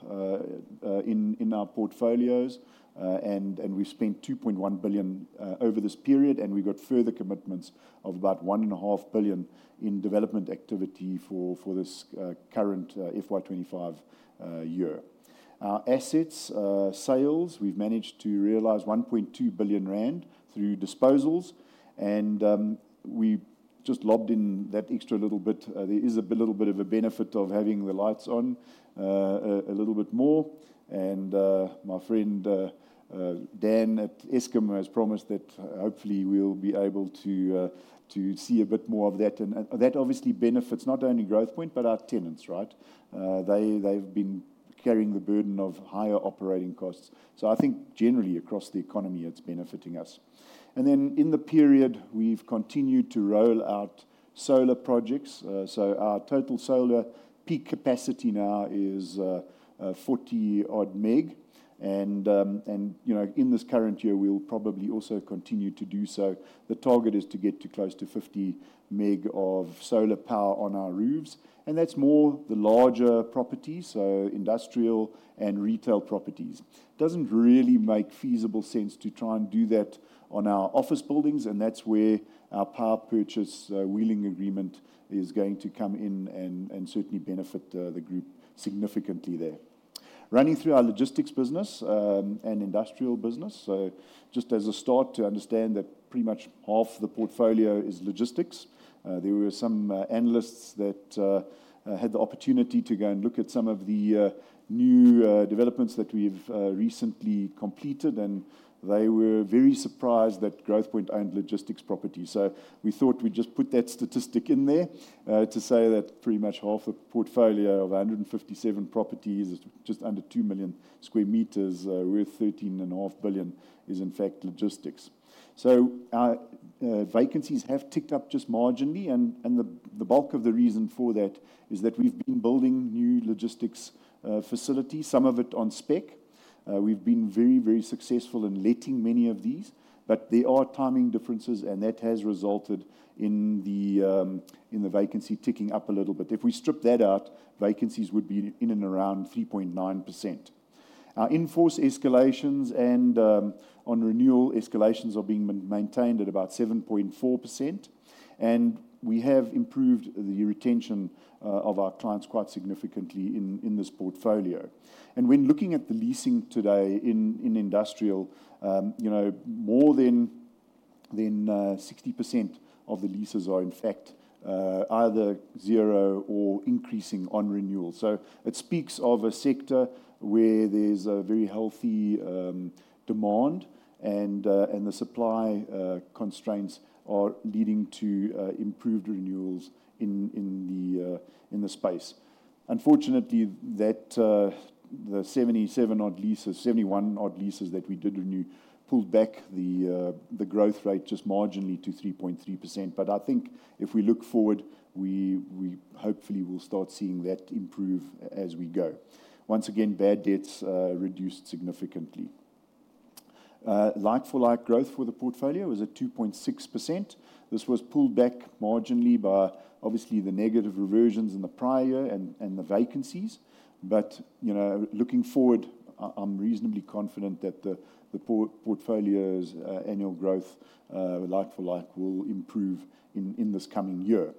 in our portfolios, and we've spent 2.1 billion over this period, and we've got further commitments of about 1.5 billion in development activity for this current FY 2025 year. Our asset sales, we've managed to realize 1.2 billion rand through disposals, and just lobbed in that extra little bit. There is a little bit of a benefit of having the lights on a little bit more. My friend Dan at Eskom has promised that hopefully we'll be able to see a bit more of that. That obviously benefits not only Growthpoint, but our tenants, right? They've been carrying the burden of higher operating costs. I think generally across the economy, it's benefiting us. In the period, we've continued to roll out solar projects. Our total solar peak capacity now is 40-odd meg. You know, in this current year, we'll probably also continue to do so. The target is to get to close to 50 meg of solar power on our roofs, and that's more the larger properties, so industrial and retail properties. It doesn't really make feasible sense to try and do that on our office buildings, and that's where our power purchase wheeling agreement is going to come in and certainly benefit the group significantly there. Running through our logistics business and industrial business. Just as a start to understand that pretty much half the portfolio is logistics. There were some analysts that had the opportunity to go and look at some of the new developments that we've recently completed, and they were very surprised that Growthpoint owned logistics property. So we thought we'd just put that statistic in there to say that pretty much half the portfolio of 157 properties, just under 2 million sq m worth 13.5 billion, is in fact logistics. So our vacancies have ticked up just marginally, and the bulk of the reason for that is that we've been building new logistics facilities, some of it on spec. We've been very, very successful in letting many of these, but there are timing differences, and that has resulted in the vacancy ticking up a little bit. If we strip that out, vacancies would be in and around 3.9%. Our in-force escalations and on renewal escalations are being maintained at about 7.4%, and we have improved the retention of our clients quite significantly in this portfolio. When looking at the leasing today in industrial, you know, more than 60% of the leases are in fact either zero or increasing on renewal. It speaks of a sector where there's a very healthy demand and the supply constraints are leading to improved renewals in the space. Unfortunately, that the 77 odd leases, 71 odd leases that we did renew, pulled back the growth rate just marginally to 3.3%. But I think if we look forward, we hopefully will start seeing that improve as we go. Once again, bad debts reduced significantly. Like-for-like growth for the portfolio was at 2.6%. This was pulled back marginally by obviously the negative reversions in the prior year and the vacancies. But, you know, looking forward, I'm reasonably confident that the portfolio's annual growth, like for like, will improve in this coming year.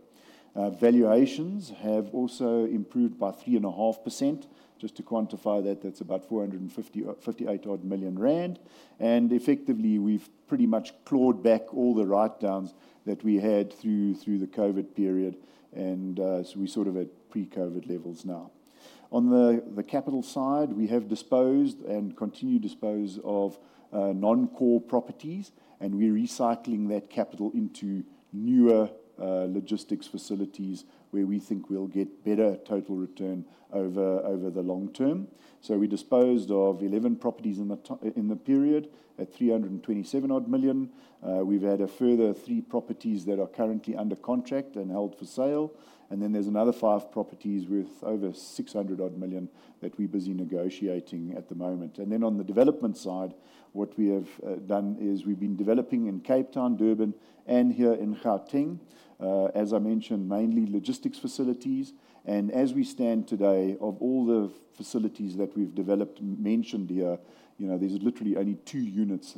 Valuations have also improved by 3.5%. Just to quantify that, that's about 458 million rand. And effectively, we've pretty much clawed back all the write-downs that we had through the COVID period, and so we're sort of at pre-COVID levels now. On the capital side, we have disposed and continue to dispose of non-core properties, and we're recycling that capital into newer logistics facilities where we think we'll get better total return over the long term. So we disposed of 11 properties in the period at 327 million. We've had a further three properties that are currently under contract and held for sale, and then there's another five properties worth over 600 million that we're busy negotiating at the moment. And then on the development side, what we have done is we've been developing in Cape Town, Durban, and here in Gauteng. As I mentioned, mainly logistics facilities. And as we stand today, of all the facilities that we've developed mentioned here, you know, there's literally only two units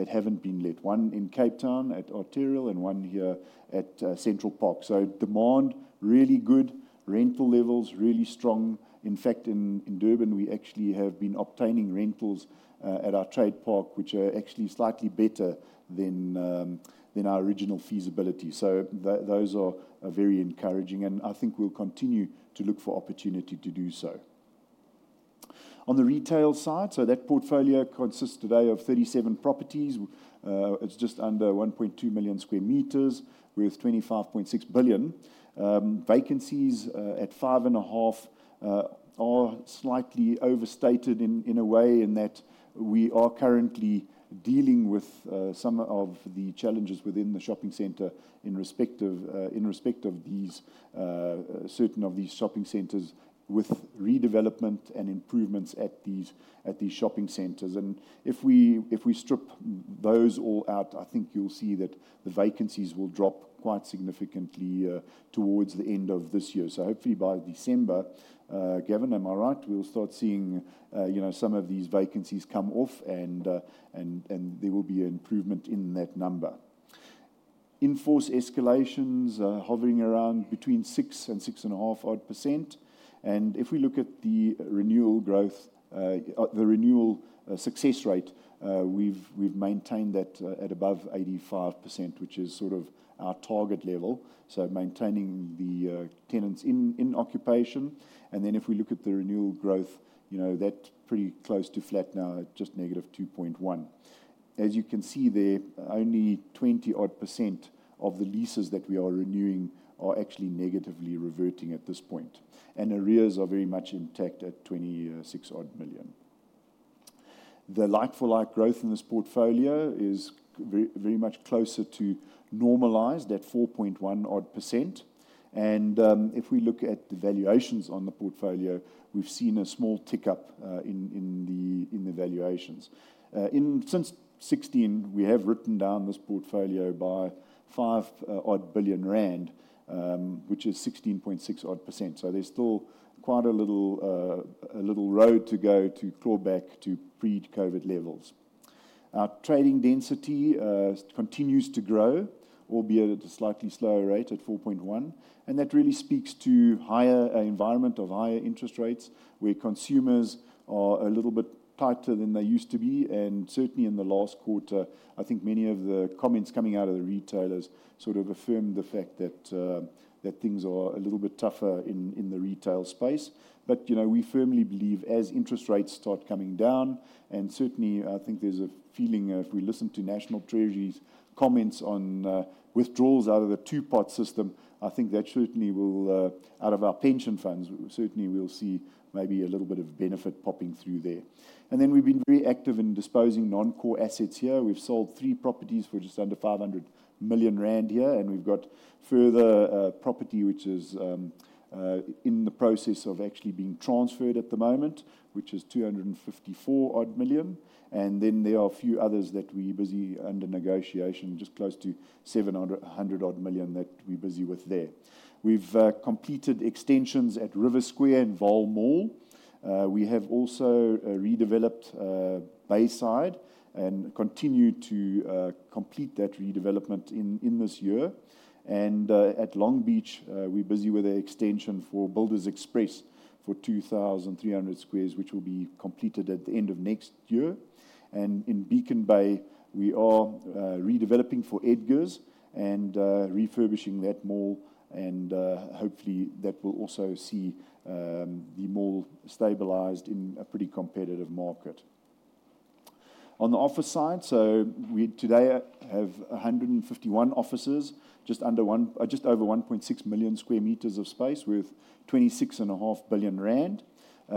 that haven't been let: one in Cape Town at Arterial and one here at Central Park. So demand, really good. Rental levels, really strong. In fact, in Durban, we actually have been obtaining rentals at our trade park, which are actually slightly better than our original feasibility. So those are very encouraging, and I think we'll continue to look for opportunity to do so. On the retail side, so that portfolio consists today of thirty-seven properties. It's just under 1.2 million sq m, with 25.6 billion. Vacancies at 5.5% are slightly overstated in a way, in that we are currently dealing with some of the challenges within the shopping center in respect of these certain of these shopping centers with redevelopment and improvements at these shopping centers. And if we strip those all out, I think you'll see that the vacancies will drop quite significantly towards the end of this year. So hopefully by December, Gavin, am I right? We'll start seeing, you know, some of these vacancies come off and there will be an improvement in that number. In-force escalations are hovering around between 6% and 6.5% odd. And if we look at the renewal growth, the renewal success rate, we've maintained that at above 85%, which is sort of our target level, so maintaining the tenants in occupation. And then if we look at the renewal growth, you know, that's pretty close to flat now at just -2.1%. As you can see there, only 20-odd% of the leases that we are renewing are actually negatively reverting at this point, and arrears are very much intact at 26-odd million. The like-for-like growth in this portfolio is very much closer to normalized at 4.1-odd%. And if we look at the valuations on the portfolio, we've seen a small tick-up in the valuations. Since 2016, we have written down this portfolio by 5 billion rand odd, which is 16.6% odd. So there's still quite a little road to go to claw back to pre-COVID levels. Our trading density continues to grow, albeit at a slightly slower rate at 4.1%, and that really speaks to higher environment of higher interest rates, where consumers are a little bit tighter than they used to be. Certainly in the last quarter, I think many of the comments coming out of the retailers sort of affirm the fact that things are a little bit tougher in the retail space. But, you know, we firmly believe as interest rates start coming down, and certainly I think there's a feeling if we listen to National Treasury's comments on withdrawals out of the Two-Pot System. I think that certainly will out of our pension funds certainly we'll see maybe a little bit of benefit popping through there. And then we've been very active in disposing non-core assets here. We've sold three properties for just under 500 million rand here, and we've got further property which is in the process of actually being transferred at the moment, which is 254 odd million. And then there are a few others that we're busy under negotiation, just close to seven hundred, hundred odd million that we're busy with there. We've completed extensions at River Square and Vaal Mall. We have also redeveloped Bayside and continue to complete that redevelopment in this year. At Longbeach, we're busy with an extension for Builders Express for 2,300 squares, which will be completed at the end of next year. In Beacon Bay, we are redeveloping for Edgars and refurbishing that mall, and hopefully, that will also see the mall stabilized in a pretty competitive market. On the office side, we today have 151 offices, just over 1.6 million sq m of space with 26.5 billion rand.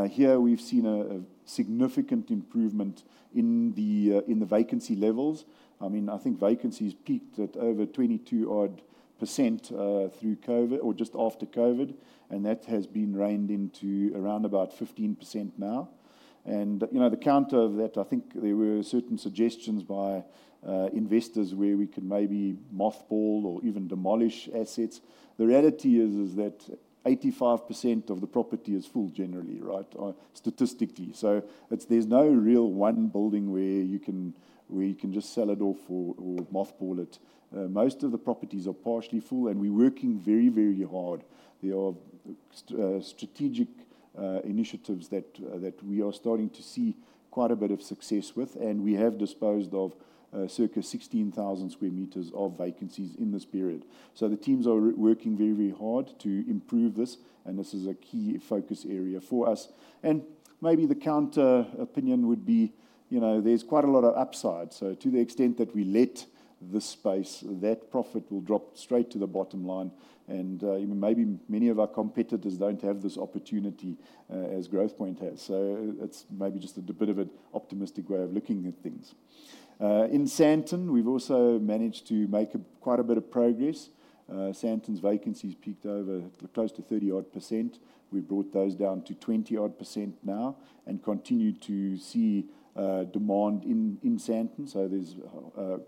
Here we've seen a significant improvement in the vacancy levels. I mean, I think vacancy's peaked at over 22% odd, through COVID or just after COVID, and that has been reined into around about 15% now. You know, the counter of that, I think there were certain suggestions by investors where we could maybe mothball or even demolish assets. The reality is that 85% of the property is full generally, right? Statistically. So it's, there's no real one building where you can just sell it off or mothball it. Most of the properties are partially full, and we're working very, very hard. There are strategic initiatives that we are starting to see quite a bit of success with, and we have disposed of circa 16,000 sq m of vacancies in this period. So the teams are working very, very hard to improve this, and this is a key focus area for us. Maybe the counter opinion would be, you know, there's quite a lot of upside. To the extent that we let the space, that profit will drop straight to the bottom line, and maybe many of our competitors don't have this opportunity as Growthpoint has. It's maybe just a bit of an optimistic way of looking at things. In Sandton, we've also managed to make quite a bit of progress. Sandton's vacancy has peaked over close to 30-odd%. We brought those down to 20-odd% now and continue to see demand in Sandton. There's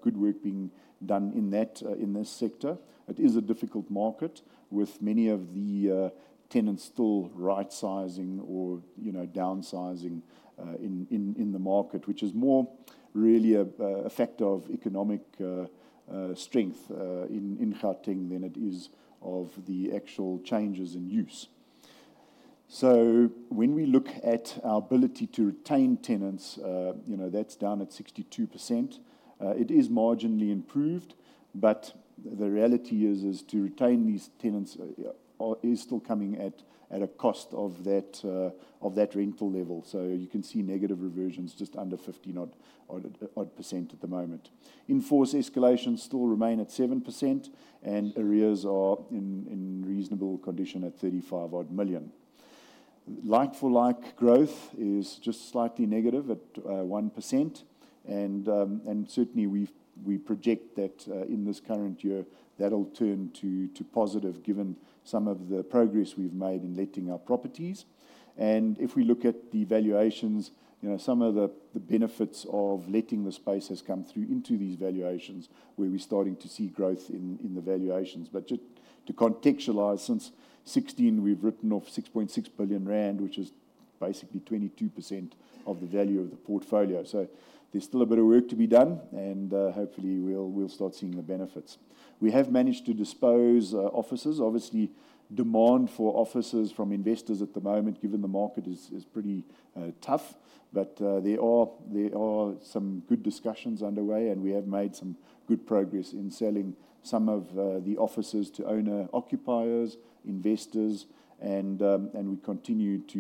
good work being done in that sector. It is a difficult market with many of the tenants still right-sizing or, you know, downsizing in the market, which is more really a effect of economic strength in Gauteng than it is of the actual changes in use. So when we look at our ability to retain tenants, you know, that's down at 62%. It is marginally improved, but the reality is to retain these tenants is still coming at a cost of that rental level. So you can see negative reversions just under 15% odd at the moment. In-force escalations still remain at 7%, and arrears are in reasonable condition at 35 million odd. Like-for-like growth is just slightly negative at 1%, and certainly we project that in this current year, that'll turn to positive, given some of the progress we've made in letting our properties. And if we look at the valuations, you know, some of the benefits of letting the space has come through into these valuations, where we're starting to see growth in the valuations. But just to contextualize, since 2016, we've written off 6.6 billion rand, which is basically 22% of the value of the portfolio. So there's still a bit of work to be done, and hopefully we'll start seeing the benefits. We have managed to dispose offices. Obviously, demand for offices from investors at the moment, given the market, is pretty tough, but there are some good discussions underway, and we have made some good progress in selling some of the offices to owner-occupiers, investors, and we continue to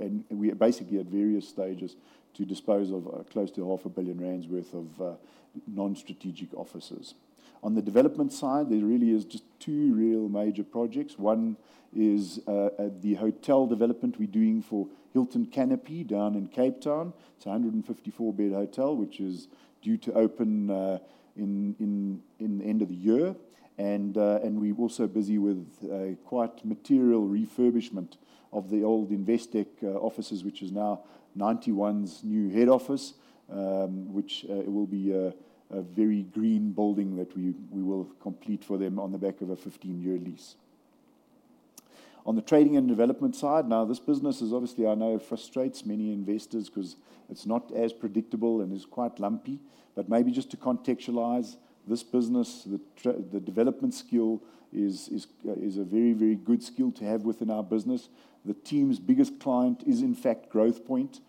and we are basically at various stages to dispose of close to 500 million rand worth of non-strategic offices. On the development side, there really is just two real major projects. One is the hotel development we're doing for Hilton Canopy down in Cape Town. It's a 154-bed hotel, which is due to open in the end of the year. We're also busy with a quite material refurbishment of the old Investec offices, which is now Ninety One's new head office, which it will be a very green building that we will complete for them on the back of a 15-year lease. On the trading and development side, now, this business is obviously, I know it frustrates many investors 'cause it's not as predictable and is quite lumpy. But maybe just to contextualize this business, the development skill is a very, very good skill to have within our business. The team's biggest client is, in fact, Growthpoint,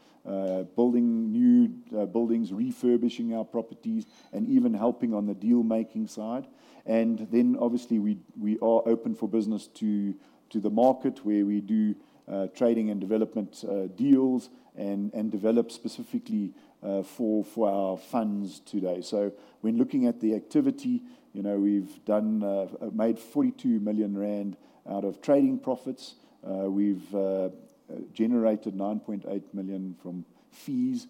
building new buildings, refurbishing our properties, and even helping on the deal-making side. Then, obviously, we are open for business to the market, where we do trading and development deals and develop specifically for our funds today. When looking at the activity, you know, we've made 42 million rand out of trading profits. We've generated 9.8 million from fees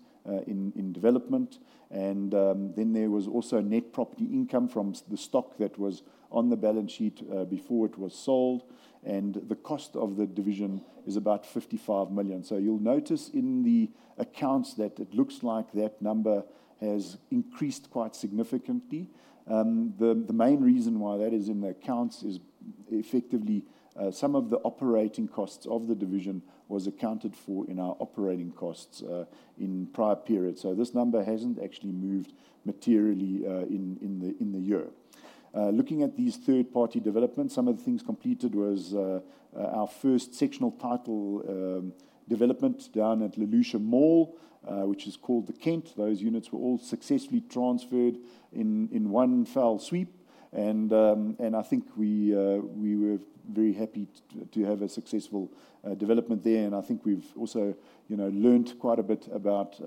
in development. Then there was also net property income from the stock that was on the balance sheet before it was sold, and the cost of the division is about 55 million. You'll notice in the accounts that it looks like that number has increased quite significantly. The main reason why that is in the accounts is effectively some of the operating costs of the division was accounted for in our operating costs in prior periods. So this number hasn't actually moved materially in the year. Looking at these third-party developments, some of the things completed was our first sectional title development down at La Lucia Mall, which is called The Kent. Those units were all successfully transferred in one fell swoop, and I think we were very happy to have a successful development there, and I think we've also, you know, learnt quite a bit about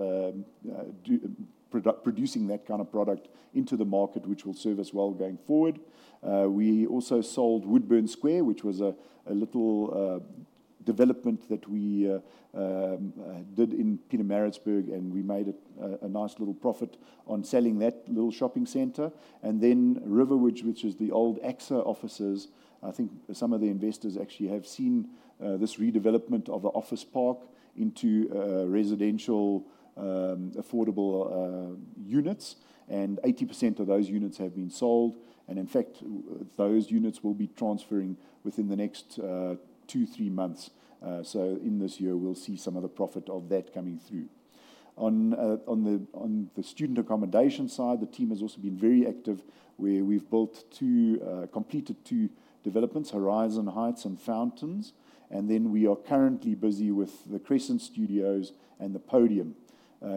producing that kind of product into the market, which will serve us well going forward. We also sold Woodburn Square, which was a little development that we did in Pietermaritzburg, and we made a nice little profit on selling that little shopping center. River Ridge, which is the old AXA offices, I think some of the investors actually have seen this redevelopment of the office park into residential affordable units, and 80% of those units have been sold. In fact, those units will be transferring within the next two-three months. So in this year, we'll see some of the profit of that coming through. On the student accommodation side, the team has also been very active, where we've completed two developments, Horizon Heights and Fountains. Then we are currently busy with the Crescent Studios and The Podium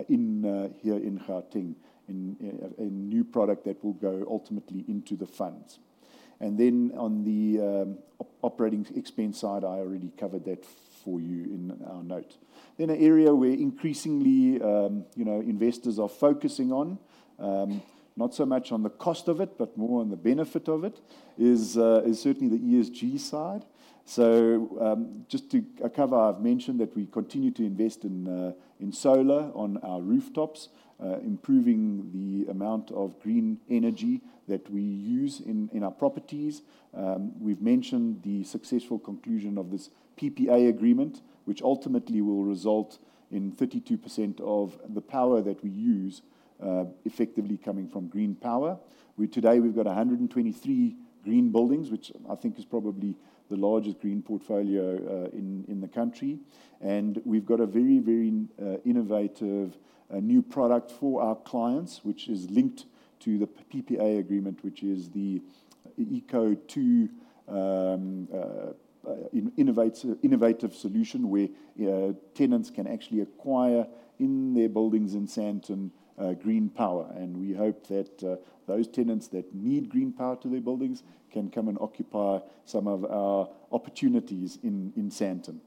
in here in Gauteng, in a new product that will go ultimately into the funds. Then on the operating expense side, I already covered that for you in our note. An area where increasingly, you know, investors are focusing on, not so much on the cost of it, but more on the benefit of it, is certainly the ESG side. So, just to cover, I've mentioned that we continue to invest in solar on our rooftops, improving the amount of green energy that we use in our properties. We've mentioned the successful conclusion of this PPA agreement, which ultimately will result in 32% of the power that we use, effectively coming from green power. Today, we've got 123 green buildings, which I think is probably the largest green portfolio in the country. And we've got a very, very innovative new product for our clients, which is linked to the PPA agreement, which is the Eco-2 innovative solution, where tenants can actually acquire green power in their buildings in Sandton. And we hope that those tenants that need green power to their buildings can come and occupy some of our opportunities in Sandton.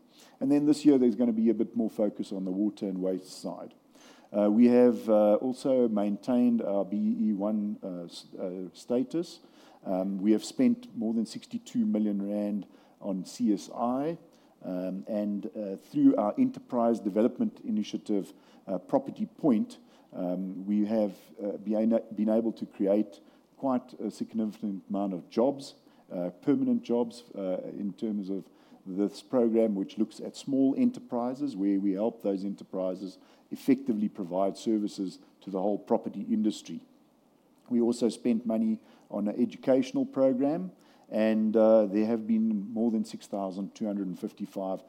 And then this year, there's gonna be a bit more focus on the water and waste side. We have also maintained our BEE 1 status. We have spent more than 62 million rand on CSI. Through our enterprise development initiative, Property Point, we have been able to create quite a significant amount of jobs, permanent jobs, in terms of this program, which looks at small enterprises, where we help those enterprises effectively provide services to the whole property industry. We also spent money on an educational program, and there have been more than 6,255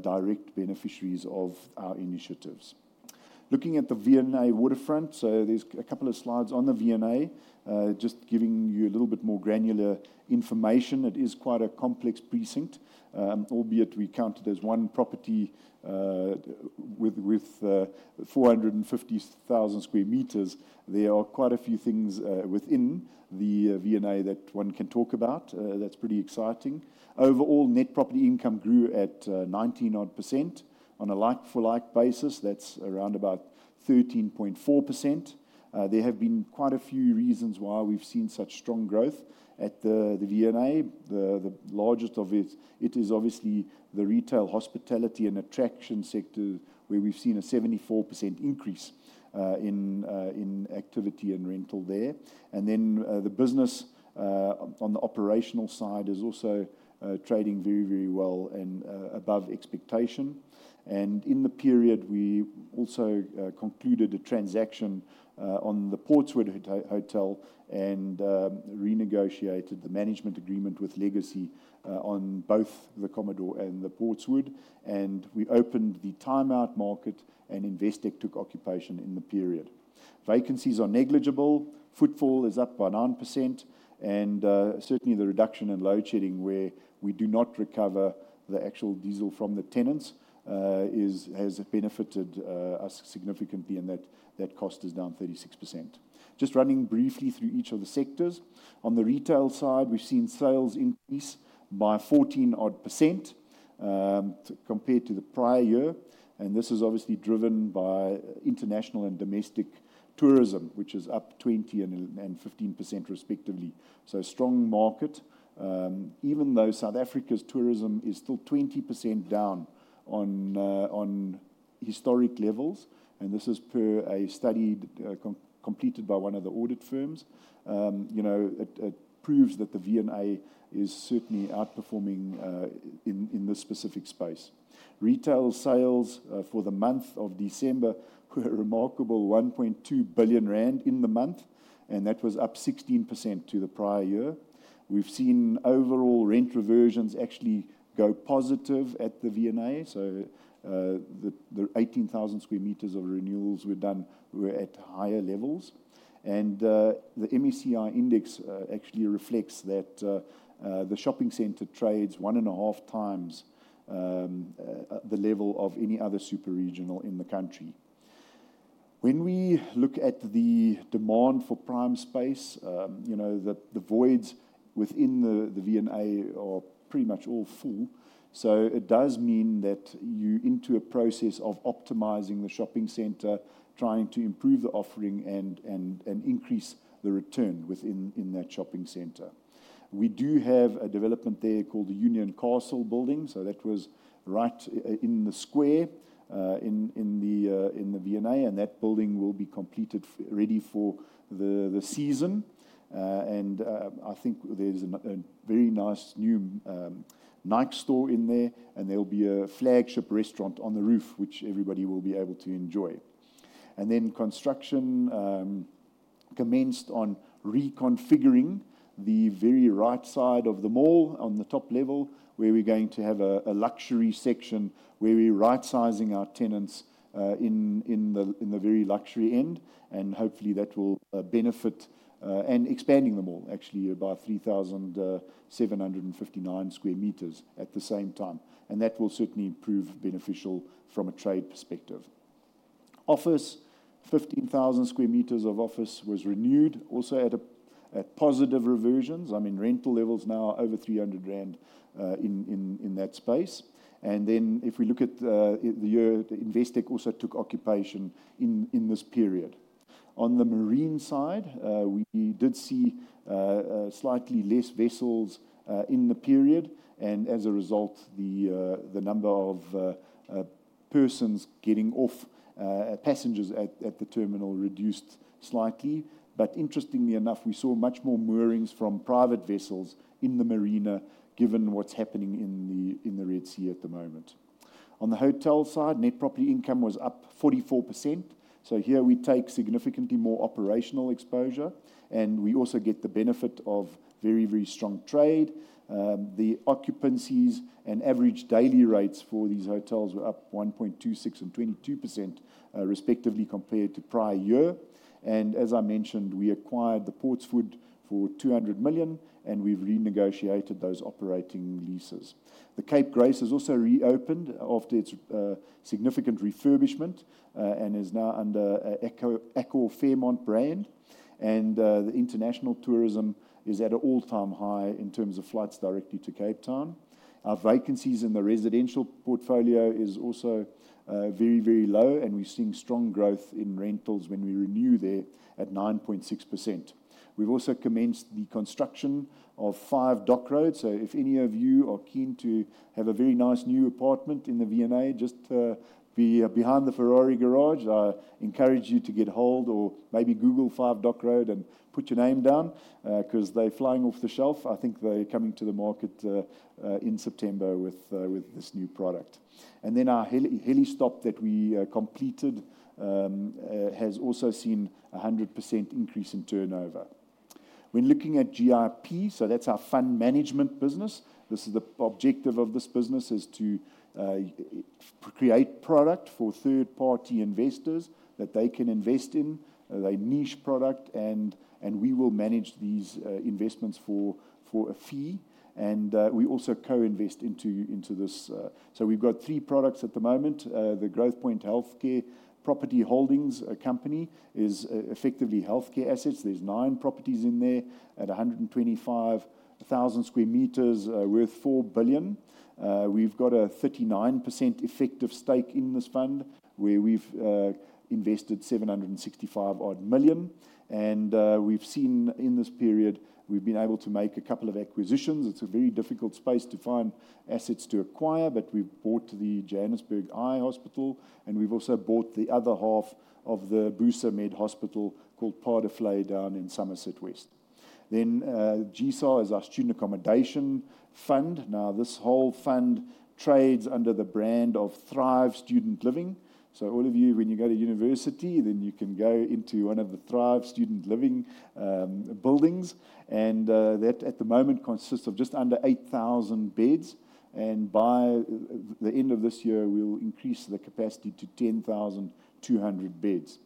direct beneficiaries of our initiatives. Looking at the V&A Waterfront, so there's a couple of slides on the V&A, just giving you a little bit more granular information. It is quite a complex precinct, albeit we count it as one property, with 450,000 sq m. There are quite a few things within the V&A that one can talk about, that's pretty exciting. Overall, net property income grew at 19 odd %. On a like-for-like basis, that's around about 13.4%. There have been quite a few reasons why we've seen such strong growth at the V&A. The largest of it is obviously the retail, hospitality, and attraction sector, where we've seen a 74% increase in activity and rental there. And then the business on the operational side is also trading very, very well and above expectation. And in the period, we also concluded a transaction on the Portswood Hotel and renegotiated the management agreement with Legacy on both the Commodore and the Portswood, and we opened the Time Out Market, and Investec took occupation in the period. Vacancies are negligible. Footfall is up by 9%, and certainly the reduction in load shedding, where we do not recover the actual diesel from the tenants, has benefited us significantly, and that cost is down 36%. Just running briefly through each of the sectors. On the retail side, we've seen sales increase by 14-odd%, compared to the prior year, and this is obviously driven by international and domestic tourism, which is up 20% and 15% respectively. So strong market, even though South Africa's tourism is still 20% down on historic levels, and this is per a study completed by one of the audit firms. You know, it proves that the V&A is certainly outperforming in this specific space. Retail sales for the month of December were a remarkable 1.2 billion rand in the month, and that was up 16% to the prior year. We've seen overall rent reversions actually go positive at the V&A, so the 18,000 sq m of renewals were done were at higher levels, and the MSCI index actually reflects that the shopping center trades one and a half times the level of any other super regional in the country. When we look at the demand for prime space, you know, the voids within the V&A are pretty much all full, so it does mean that you into a process of optimizing the shopping center, trying to improve the offering and increase the return within in that shopping center. We do have a development there called the Union Castle Building, so that was right in the square in the V&A, and that building will be completed ready for the season. And I think there's a very nice new Nike store in there, and there'll be a flagship restaurant on the roof, which everybody will be able to enjoy. Then construction commenced on reconfiguring the very right side of the mall on the top level, where we're going to have a luxury section, where we're right sizing our tenants in the very luxury end, and hopefully that will benefit. And expanding the mall actually by 3,759 sq m at the same time, and that will certainly prove beneficial from a trade perspective. Office, 15,000 sq m of office was renewed, also at positive reversions. I mean, rental levels now are over 300,000 rand in that space. Then, if we look at the year, Investec also took occupation in this period. On the marine side, we did see slightly less vessels in the period, and as a result, the number of passengers getting off at the terminal reduced slightly. Interestingly enough, we saw much more moorings from private vessels in the marina, given what's happening in the Red Sea at the moment. On the hotel side, net property income was up 44%. Here we take significantly more operational exposure, and we also get the benefit of very, very strong trade. The occupancies and average daily rates for these hotels were up 1.26% and 22%, respectively, compared to prior year. As I mentioned, we acquired the Portswood for 200 million, and we've renegotiated those operating leases. The Cape Grace has also reopened after its significant refurbishment, and is now under the Accor Fairmont brand. The international tourism is at an all-time high in terms of flights directly to Cape Town. Our vacancies in the residential portfolio is also very low, and we're seeing strong growth in rentals when we renew there at 9.6%. We've also commenced the construction of 5 Dock Road. So if any of you are keen to have a very nice new apartment in the V&A, just be behind the Ferrari garage, I encourage you to get hold or maybe Google 5 Dock Road and put your name down, 'cause they're flying off the shelf. I think they're coming to the market in September with this new product. And then our helipad that we completed has also seen a 100% increase in turnover. When looking at GIP, so that's our fund management business, this is the objective of this business is to create product for third-party investors that they can invest in. These niche products, and we will manage these investments for a fee, and we also co-invest into this. So we've got three products at the moment. The Growthpoint Healthcare Property Holdings company is effectively healthcare assets. There's nine properties in there at 125,000 sq m worth 4 billion. We've got a 39% effective stake in this fund, where we've invested 765 million odd. And we've seen in this period, we've been able to make a couple of acquisitions. It's a very difficult space to find assets to acquire, but we've bought the Johannesburg Eye Hospital, and we've also bought the other half of the Busamed Hospital called Paardevlei down in Somerset West. Then, GSAH is our student accommodation fund. Now, this whole fund trades under the brand of Thrive Student Living. All of you, when you go to university, then you can go into one of the Thrive Student Living buildings, and that at the moment consists of just under 8,000 beds, and by the end of this year, we'll increase the capacity to 10,200 beds.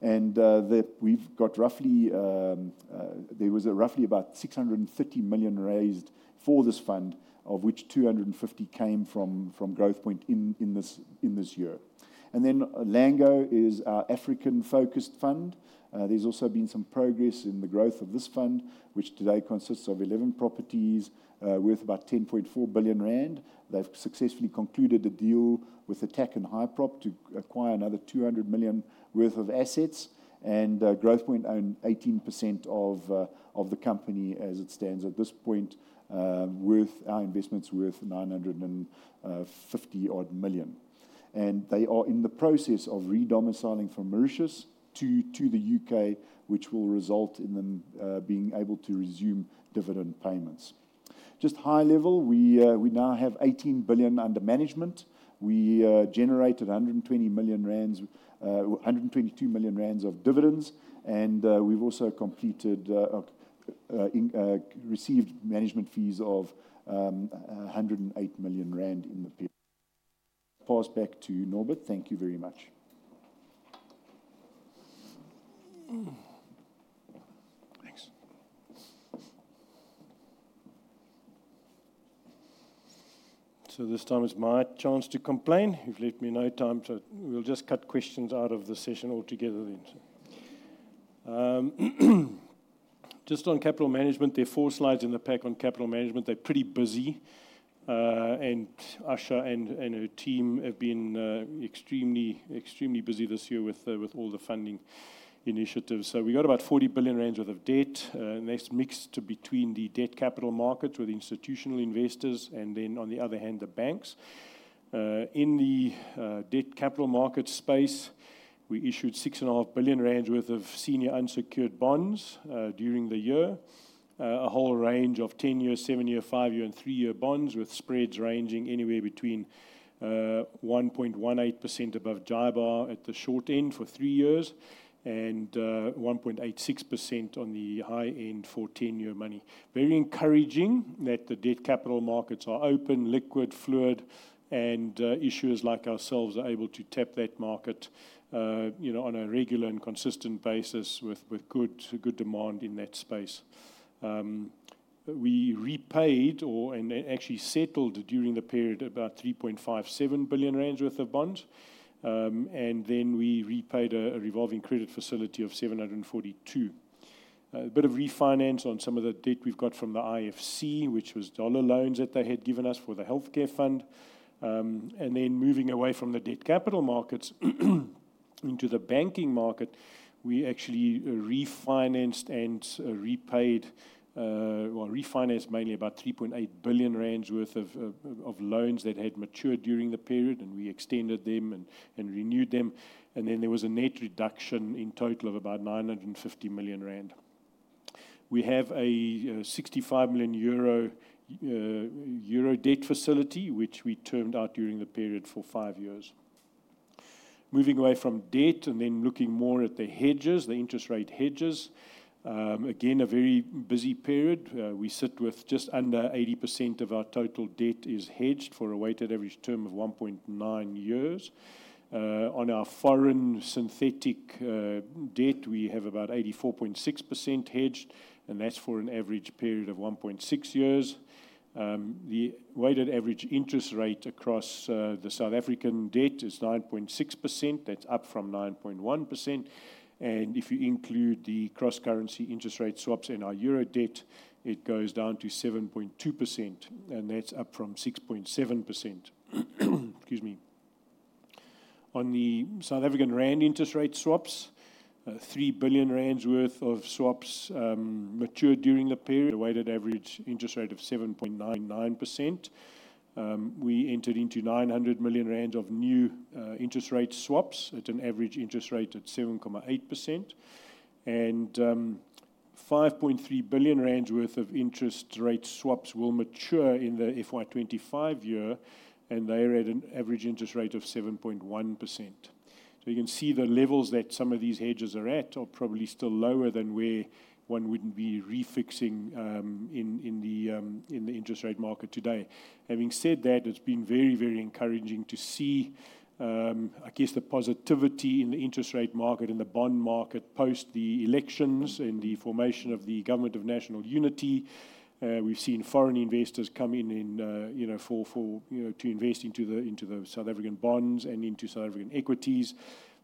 That we've got roughly 650 million raised for this fund, of which 250 came from Growthpoint in this year. Then Lango is our African-focused fund. There's also been some progress in the growth of this fund, which today consists of 11 properties worth about 10.4 billion rand. They've successfully concluded a deal with Attacq and Hyprop to acquire another 200 million worth of assets, and Growthpoint own 18% of the company as it stands at this point, worth our investment's worth 950 million. They are in the process of re-domiciling from Mauritius to the U.K., which will result in them being able to resume dividend payments. Just high level, we now have 18 billion under management. We generated 120 million rand, 122 million rand of dividends, and we've also completed received management fees of 108 million rand in the period. Pass back to you, Norbert. Thank you very much. Thanks. So this time is my chance to complain. You've left me no time, so we'll just cut questions out of the session altogether then. Just on capital management, there are four slides in the pack on capital management. They're pretty busy, and Asha and her team have been extremely busy this year with all the funding initiatives. So we got about 40 billion rand worth of debt, and that's mixed between the debt capital markets with institutional investors, and then on the other hand, the banks. In the debt capital market space, we issued 6.5 billion rand worth of senior unsecured bonds during the year. A whole range of ten-year, seven-year, five-year, and three-year bonds, with spreads ranging anywhere between 1.18% above JIBAR at the short end for three years and 1.86% on the high end for ten-year money. Very encouraging that the debt capital markets are open, liquid, fluid, and issuers like ourselves are able to tap that market, you know, on a regular and consistent basis with good demand in that space. We repaid and actually settled during the period about 3.57 billion rand worth of bonds, and then we repaid a revolving credit facility of 742. A bit of refinance on some of the debt we've got from the IFC, which was dollar loans that they had given us for the healthcare fund. And then, moving away from the debt capital markets into the banking market, we actually refinanced and repaid, refinanced mainly 3.8 billion rand worth of loans that had matured during the period, and we extended them and renewed them. And then there was a net reduction in total of about 950 million rand. We have a 65 million euro debt facility, which we termed out during the period for five years. Moving away from debt and then looking more at the hedges, the interest rate hedges, again, a very busy period. We sit with just under 80% of our total debt hedged for a weighted average term of 1.9 years. On our foreign synthetic debt, we have about 84.6% hedged, and that's for an average period of 1.6 years. The weighted average interest rate across the South African debt is 9.6%. That's up from 9.1%. And if you include the cross-currency interest rate swaps in our euro debt, it goes down to 7.2%, and that's up from 6.7%. Excuse me. On the South African rand interest rate swaps, 3 billion rand worth of swaps matured during the period, a weighted average interest rate of 7.99%. We entered into 900 million rand of new interest rate swaps at an average interest rate of 7.8%. And, we-... 5.3 billion rand worth of interest rate swaps will mature in the FY 2025 year, and they're at an average interest rate of 7.1%. So you can see the levels that some of these hedges are at are probably still lower than where one would be refixing in the interest rate market today. Having said that, it's been very, very encouraging to see I guess the positivity in the interest rate market and the bond market post the elections and the formation of the Government of National Unity. We've seen foreign investors come in, you know, to invest into the South African bonds and into South African equities.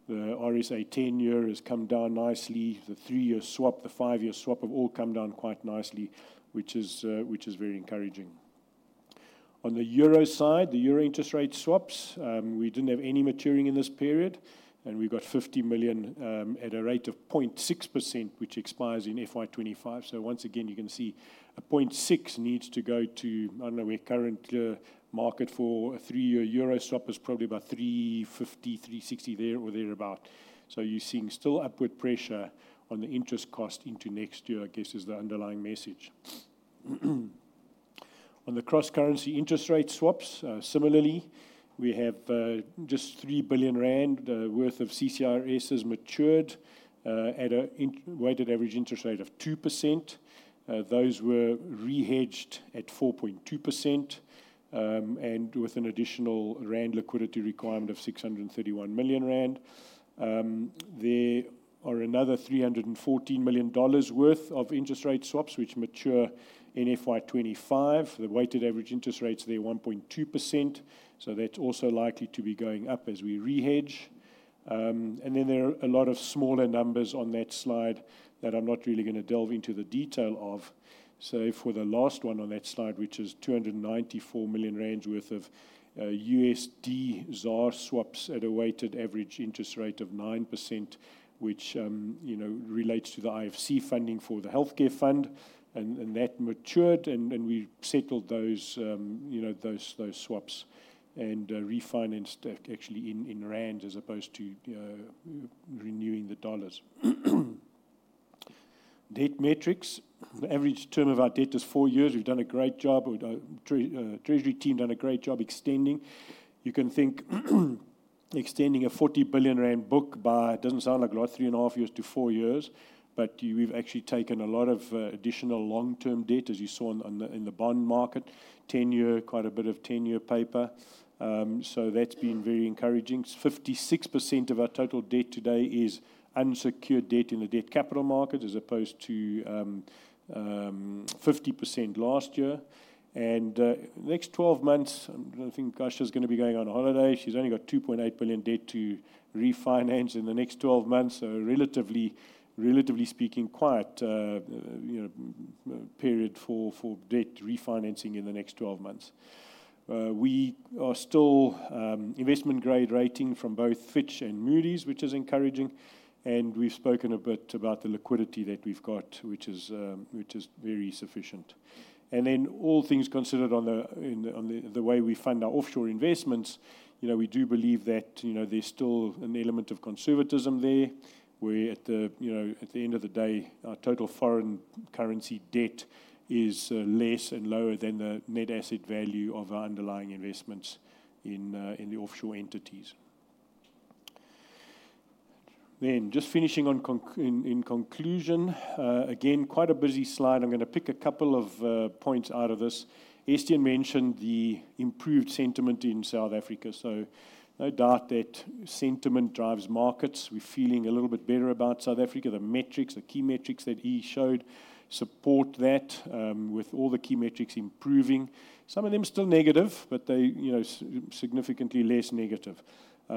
The RSA 10-year has come down nicely. The three-year swap, the five-year swap have all come down quite nicely, which is very encouraging. On the euro side, the euro interest rate swaps, we didn't have any maturing in this period, and we got 50 million at a rate of 0.6%, which expires in FY 2025. So once again, you can see a 0.6% needs to go to, I don't know, where current market for a three-year euro swap is probably about 3.50, 3.60 there or thereabout. So you're seeing still upward pressure on the interest cost into next year, I guess, is the underlying message. On the cross-currency interest rate swaps, similarly, we have just 3 billion rand worth of CCIRS has matured at a weighted average interest rate of 2%. Those were re-hedged at 4.2%, and with an additional rand liquidity requirement of 631 million rand. There are another $314 million worth of interest rate swaps, which mature in FY 2025. The weighted average interest rate's there 1.2%, so that's also likely to be going up as we re-hedge. And then there are a lot of smaller numbers on that slide that I'm not really going to delve into the detail of. So for the last one on that slide, which is 294 million rand worth of USD ZAR swaps at a weighted average interest rate of 9%, which, you know, relates to the IFC funding for the healthcare fund, and that matured, and we settled those, you know, those swaps and refinanced actually in rand, as opposed to renewing the dollars. Debt metrics. The average term of our debt is four years. We've done a great job. Our treasury team done a great job extending. You can think, extending a 40 billion rand book by, it doesn't sound like a lot, three and a half years to four years, but we've actually taken a lot of additional long-term debt, as you saw on the, in the bond market. 10-year, quite a bit of 10-year paper. So that's been very encouraging. 56% of our total debt today is unsecured debt in the debt capital market, as opposed to 50% last year. And the next 12 months, I don't think Asha is going to be going on holiday. She's only got 2.8 billion debt to refinance in the next 12 months. So relatively speaking, quite you know period for debt refinancing in the next 12 months. We are still investment grade rating from both Fitch and Moody's, which is encouraging, and we've spoken a bit about the liquidity that we've got, which is very sufficient. All things considered on the way we fund our offshore investments, you know, we do believe that, you know, there's still an element of conservatism there, where at the end of the day, our total foreign currency debt is less and lower than the net asset value of our underlying investments in the offshore entities. Just finishing in conclusion, again, quite a busy slide. I'm going to pick a couple of points out of this. Estienne mentioned the improved sentiment in South Africa, so no doubt that sentiment drives markets. We're feeling a little bit better about South Africa. The metrics, the key metrics that he showed support that with all the key metrics improving. Some of them are still negative, but they, you know, significantly less negative.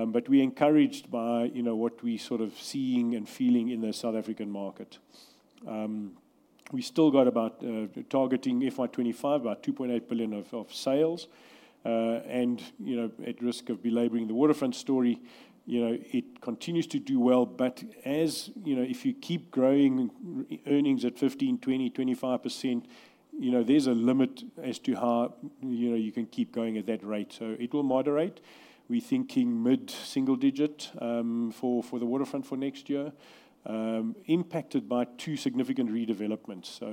But we're encouraged by, you know, what we sort of seeing and feeling in the South African market. We still got about targeting FY 2025, about 2.8 billion of sales. And, you know, at risk of belaboring the waterfront story, you know, it continues to do well, but as you know, if you keep growing earnings at 15%-25%, you know, there's a limit as to how, you know, you can keep going at that rate. So it will moderate. We're thinking mid-single digit for the waterfront for next year, impacted by two significant redevelopments. So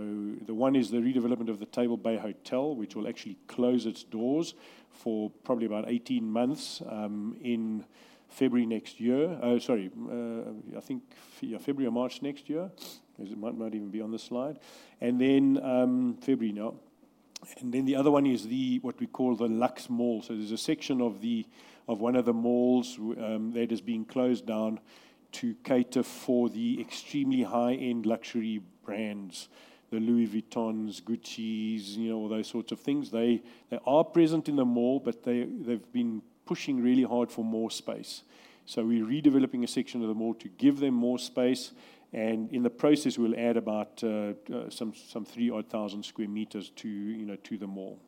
the one is the redevelopment of the Table Bay Hotel, which will actually close its doors for probably about 18 months in February next year. February or March next year. It might even be on the slide. And then, February now. And then the other one is what we call the Luxe Mall. So there's a section of one of the malls that is being closed down to cater for the extremely high-end luxury brands, the Louis Vuittons, Guccis, you know, all those sorts of things. They are present in the mall, but they, they've been pushing really hard for more space. So we're redeveloping a section of the mall to give them more space, and in the process, we'll add about some 3,000-odd sq m to, you know, to the mall.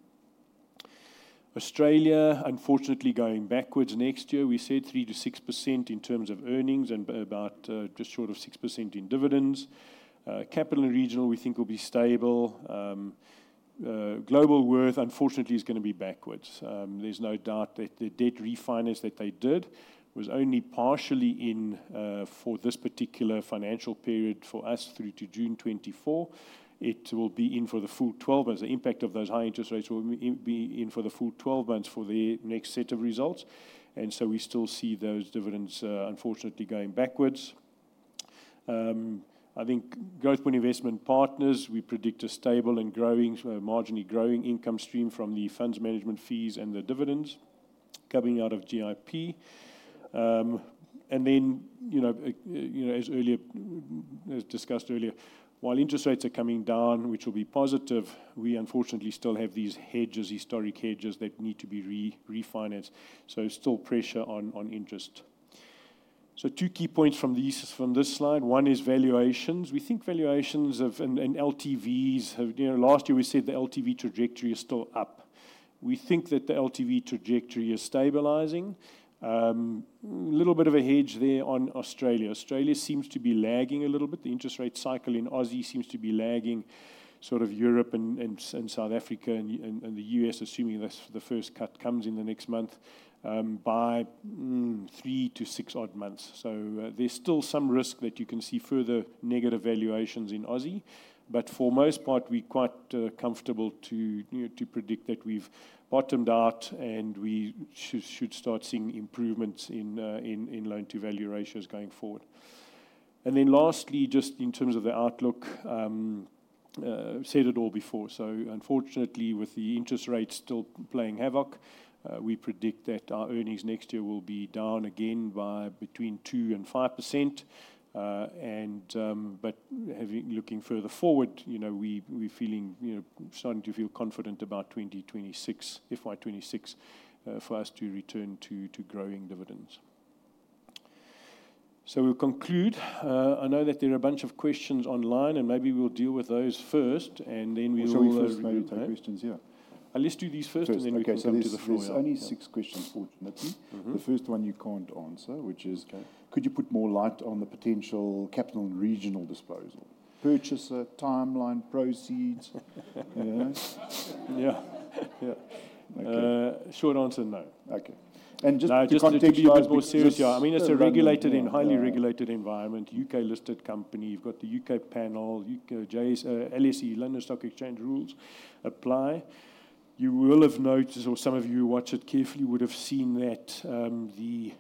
Australia, unfortunately, going backwards next year. We said 3%-6% in terms of earnings and about just short of 6% in dividends. Capital & Regional, we think, will be stable. Globalworth, unfortunately, is gonna be backwards. There's no doubt that the debt refinance that they did was only partially in for this particular financial period for us through to June 2024. It will be in for the full 12 months. The impact of those high interest rates will be in for the full 12 months for the next set of results, and so we still see those dividends, unfortunately, going backwards. I think Growthpoint Investment Partners, we predict a stable and growing, so a marginally growing income stream from the funds management fees and the dividends coming out of GIP. And then, you know, you know, as discussed earlier, while interest rates are coming down, which will be positive, we unfortunately still have these hedges, historic hedges, that need to be refinanced, so still pressure on interest. So two key points from these, from this slide. One is valuations. We think valuations of... and LTVs have... You know, last year we said the LTV trajectory is still up. We think that the LTV trajectory is stabilizing. Little bit of a hedge there on Australia. Australia seems to be lagging a little bit. The interest rate cycle in Aussie seems to be lagging sort of Europe and South Africa and the US, assuming the first cut comes in the next month by three to six odd months. So, there's still some risk that you can see further negative valuations in Aussie, but for most part, we're quite comfortable to predict that we've bottomed out, and we should start seeing improvements in loan-to-value ratios going forward. Then lastly, just in terms of the outlook, said it all before. Unfortunately, with the interest rates still playing havoc, we predict that our earnings next year will be down again by between 2% and 5%. Looking further forward, you know, we, we're feeling, you know, starting to feel confident about twenty twenty-six, FY 2026, for us to return to, to growing dividends. We'll conclude. I know that there are a bunch of questions online, and maybe we'll deal with those first, and then we will review that. Shall we first maybe take questions, yeah? Let's do these first- First and then we can come to the floor, yeah. There's only six questions, fortunately. Mm-hmm. The first one you can't answer, which is: Okay. Could you put more light on the potential Capital & Regional disposal, purchaser, timeline, proceeds? Yeah. Yeah. Yeah. Okay. Short answer, no. Okay. And just to contextualize- No, just to be more serious, yeah. I mean, it's a regulated- Yeah... and highly regulated environment, UK-listed company. You've got the UK panel, UK JS, LSE, London Stock Exchange rules apply. You will have noticed, or some of you who watch it carefully, would have seen that, the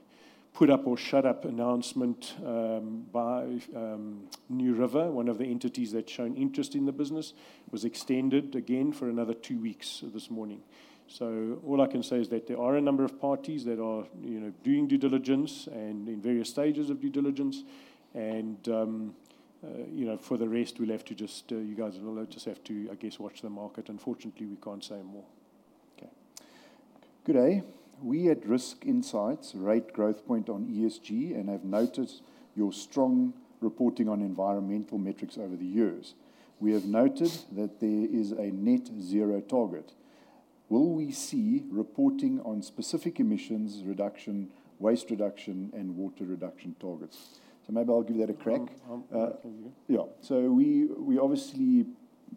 put up or shut up announcement, by, NewRiver, one of the entities that shown interest in the business, was extended again for another two weeks this morning. So all I can say is that there are a number of parties that are, you know, doing due diligence and in various stages of due diligence. And, you know, for the rest, we'll have to just, you guys will just have to, I guess, watch the market. Unfortunately, we can't say more. Okay. Good day. We at Risk Insights rate Growthpoint on ESG and have noticed your strong reporting on environmental metrics over the years. We have noted that there is a net zero target. Will we see reporting on specific emissions reduction, waste reduction, and water reduction targets? So maybe I'll give that a crack. I'll give it a go. Yeah. So we obviously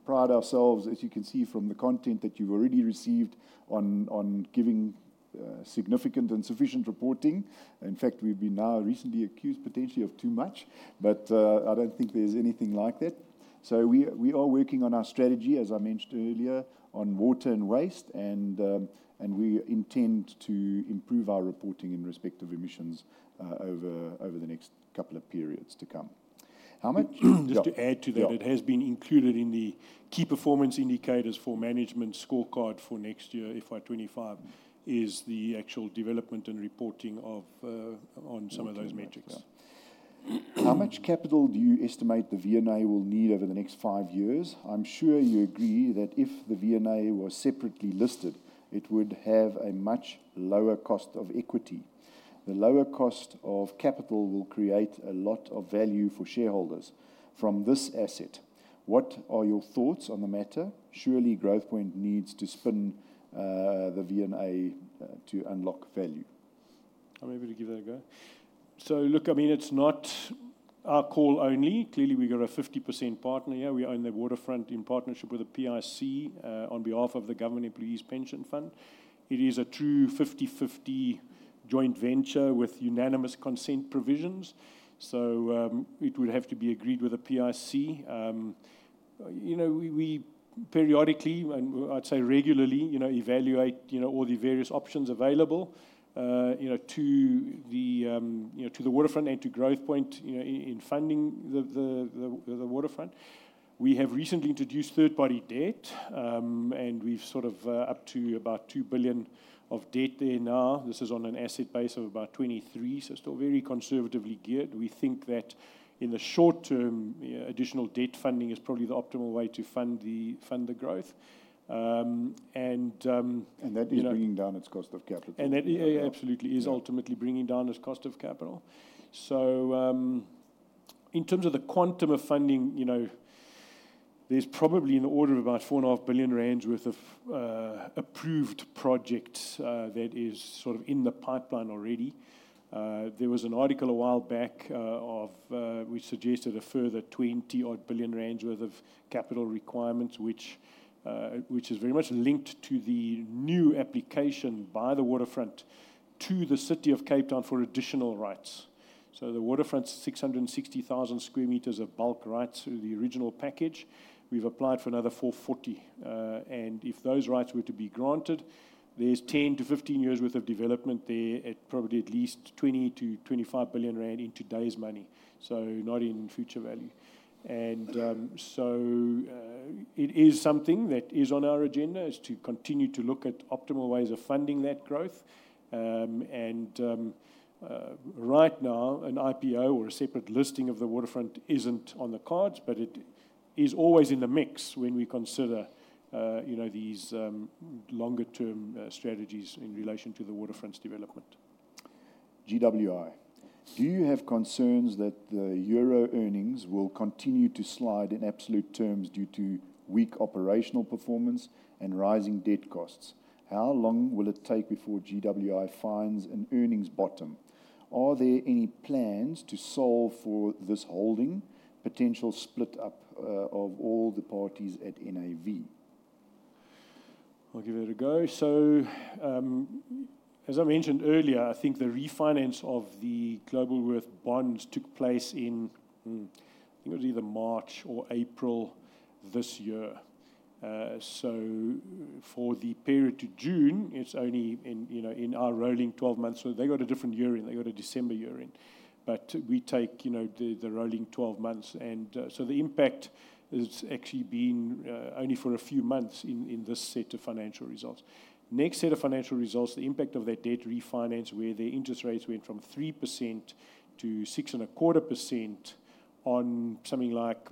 pride ourselves, as you can see from the content that you've already received, on giving significant and sufficient reporting. In fact, we've been now recently accused potentially of too much, but I don't think there's anything like that. So we are working on our strategy, as I mentioned earlier, on water and waste, and we intend to improve our reporting in respect of emissions over the next couple of periods to come. How much? Yeah. Just to add to that. Yeah... it has been included in the key performance indicators for management scorecard for next year, FY 2025, is the actual development and reporting of, on some of those metrics. Yeah. How much capital do you estimate the V&A will need over the next five years? I'm sure you agree that if the V&A were separately listed, it would have a much lower cost of equity. The lower cost of capital will create a lot of value for shareholders from this asset. What are your thoughts on the matter? Surely, Growthpoint needs to spin the V&A to unlock value. I'm happy to give that a go. Look, I mean, it's not our call only. Clearly, we've got a 50% partner here. We own the waterfront in partnership with the PIC on behalf of the Government Employees Pension Fund. It is a true 50-50 joint venture with unanimous consent provisions, so it would have to be agreed with the PIC. You know, we periodically, and I'd say regularly, you know, evaluate you know all the various options available you know to the waterfront and to Growthpoint you know in funding the waterfront. We have recently introduced third-party debt and we've sort of up to about 2 billion of debt there now. This is on an asset base of about 23, so still very conservatively geared. We think that in the short term, yeah, additional debt funding is probably the optimal way to fund the growth. You know- That is bringing down its cost of capital. That, yeah, absolutely, is ultimately bringing down its cost of capital. In terms of the quantum of funding, you know, there's probably in the order of about 4.5 billion rand worth of approved projects that is sort of in the pipeline already. There was an article a while back of which suggested a further twenty-odd billion ZAR worth of capital requirements, which is very much linked to the new application by the waterfront to the City of Cape Town for additional rights. The waterfront's 660,000 sq m of bulk rights through the original package. We've applied for another 440, and if those rights were to be granted, there's 10-15 years worth of development there at probably at least 20-25 billion rand in today's money, so not in future value. It is something that is on our agenda, is to continue to look at optimal ways of funding that growth. And right now, an IPO or a separate listing of the waterfront isn't on the cards, but it is always in the mix when we consider, you know, these, longer term, strategies in relation to the waterfront's development. Do you have concerns that the euro earnings will continue to slide in absolute terms due to weak operational performance and rising debt costs? How long will it take before GWI finds an earnings bottom? Are there any plans to solve for this holding potential split up, of all the parties at NAV? I'll give it a go. So, as I mentioned earlier, I think the refinance of the Globalworth bonds took place in, I think it was either March or April this year. So for the period to June, it's only in, you know, in our rolling 12 months. So they got a different year in. They got a December year in. But we take, you know, the, the rolling 12 months, and, so the impact has actually been, only for a few months in, in this set of financial results. Next set of financial results, the impact of that debt refinance, where the interest rates went from 3%-6.25% on something like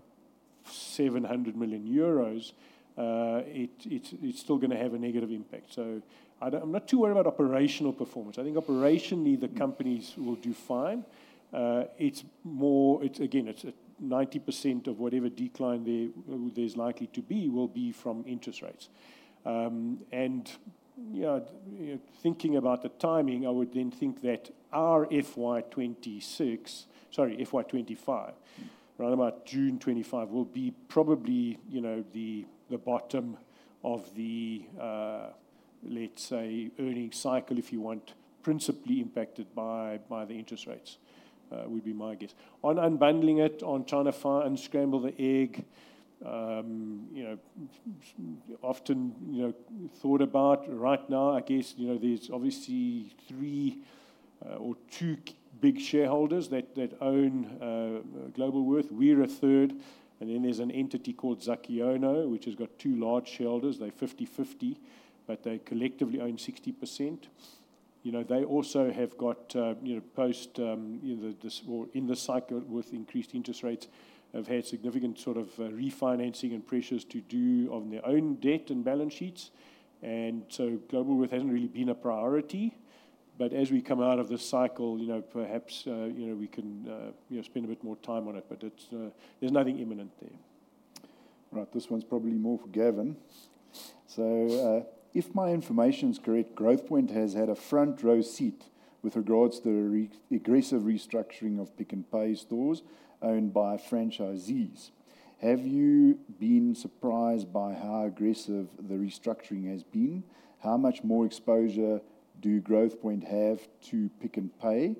700 million euros, it's still gonna have a negative impact. So I don't-- I'm not too worried about operational performance. I think operationally, the companies will do fine. It's more. It's, again, it's 90% of whatever decline there, there's likely to be, will be from interest rates. And, you know, thinking about the timing, I would then think that our FY 2026, sorry, FY 2025, around about June 2025, will be probably, you know, the bottom of the, let's say, earnings cycle, if you want, principally impacted by the interest rates, would be my guess. On unbundling it, on trying to unscramble the egg, you know, often, you know, thought about. Right now, I guess, you know, there's obviously three or two big shareholders that own, Globalworth. We're a third, and then there's an entity called Zakiono, which has got two large shareholders. They're 50-50, but they collectively own 60%. You know, they also have got, you know, post, you know, this, or in this cycle, with increased interest rates, have had significant sort of, refinancing and pressures to do on their own debt and balance sheets. And so Globalworth hasn't really been a priority, but as we come out of this cycle, you know, perhaps, you know, we can, you know, spend a bit more time on it, but it's, there's nothing imminent there. Right. This one's probably more for Gavin. So, if my information is correct, Growthpoint has had a front-row seat with regards to the aggressive restructuring of Pick n Pay stores owned by franchisees. Have you been surprised by how aggressive the restructuring has been? How much more exposure do Growthpoint have to Pick n Pay?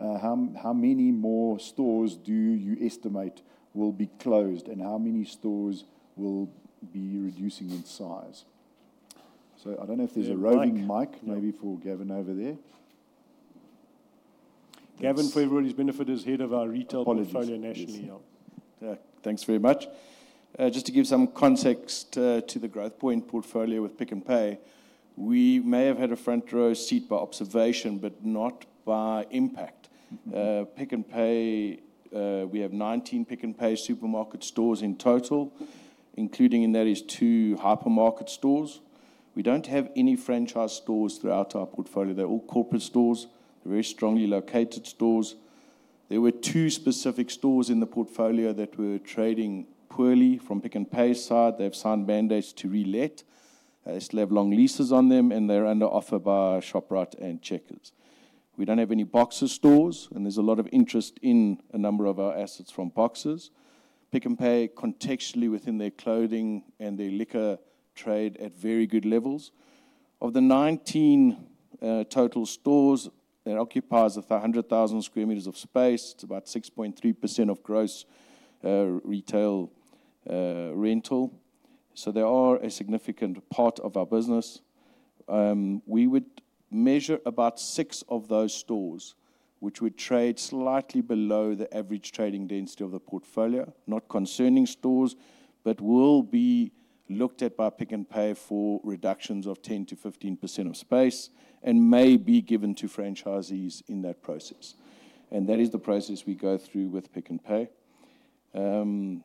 How many more stores do you estimate will be closed, and how many stores will be reducing in size? So I don't know if there's a rolling mic maybe for Gavin over there. Gavin, for everybody's benefit, is head of our retail- Apologies ...portfolio nationally. Yeah. Yeah. Thanks very much. Just to give some context to the Growthpoint portfolio with Pick n Pay, we may have had a front-row seat by observation, but not by impact. Pick n Pay, we have 19 Pick n Pay supermarket stores in total, including in that is two hypermarket stores. We don't have any franchise stores throughout our portfolio. They're all corporate stores. They're very strongly located stores. There were two specific stores in the portfolio that were trading poorly from Pick n Pay's side. They have signed band-aids to relet. They still have long leases on them, and they're under offer by Shoprite and Checkers. We don't have any Boxer stores, and there's a lot of interest in a number of our assets from Boxer. Pick n Pay, contextually within their clothing and their liquor trade, at very good levels. Of the nineteen total stores, it occupies 100,000 sq m of space. It's about 6.3% of gross retail rental. So they are a significant part of our business. We would measure about six of those stores, which would trade slightly below the average trading density of the portfolio, not concerning stores, but will be looked at by Pick n Pay for reductions of 10%-15% of space and may be given to franchisees in that process. And that is the process we go through with Pick n Pay.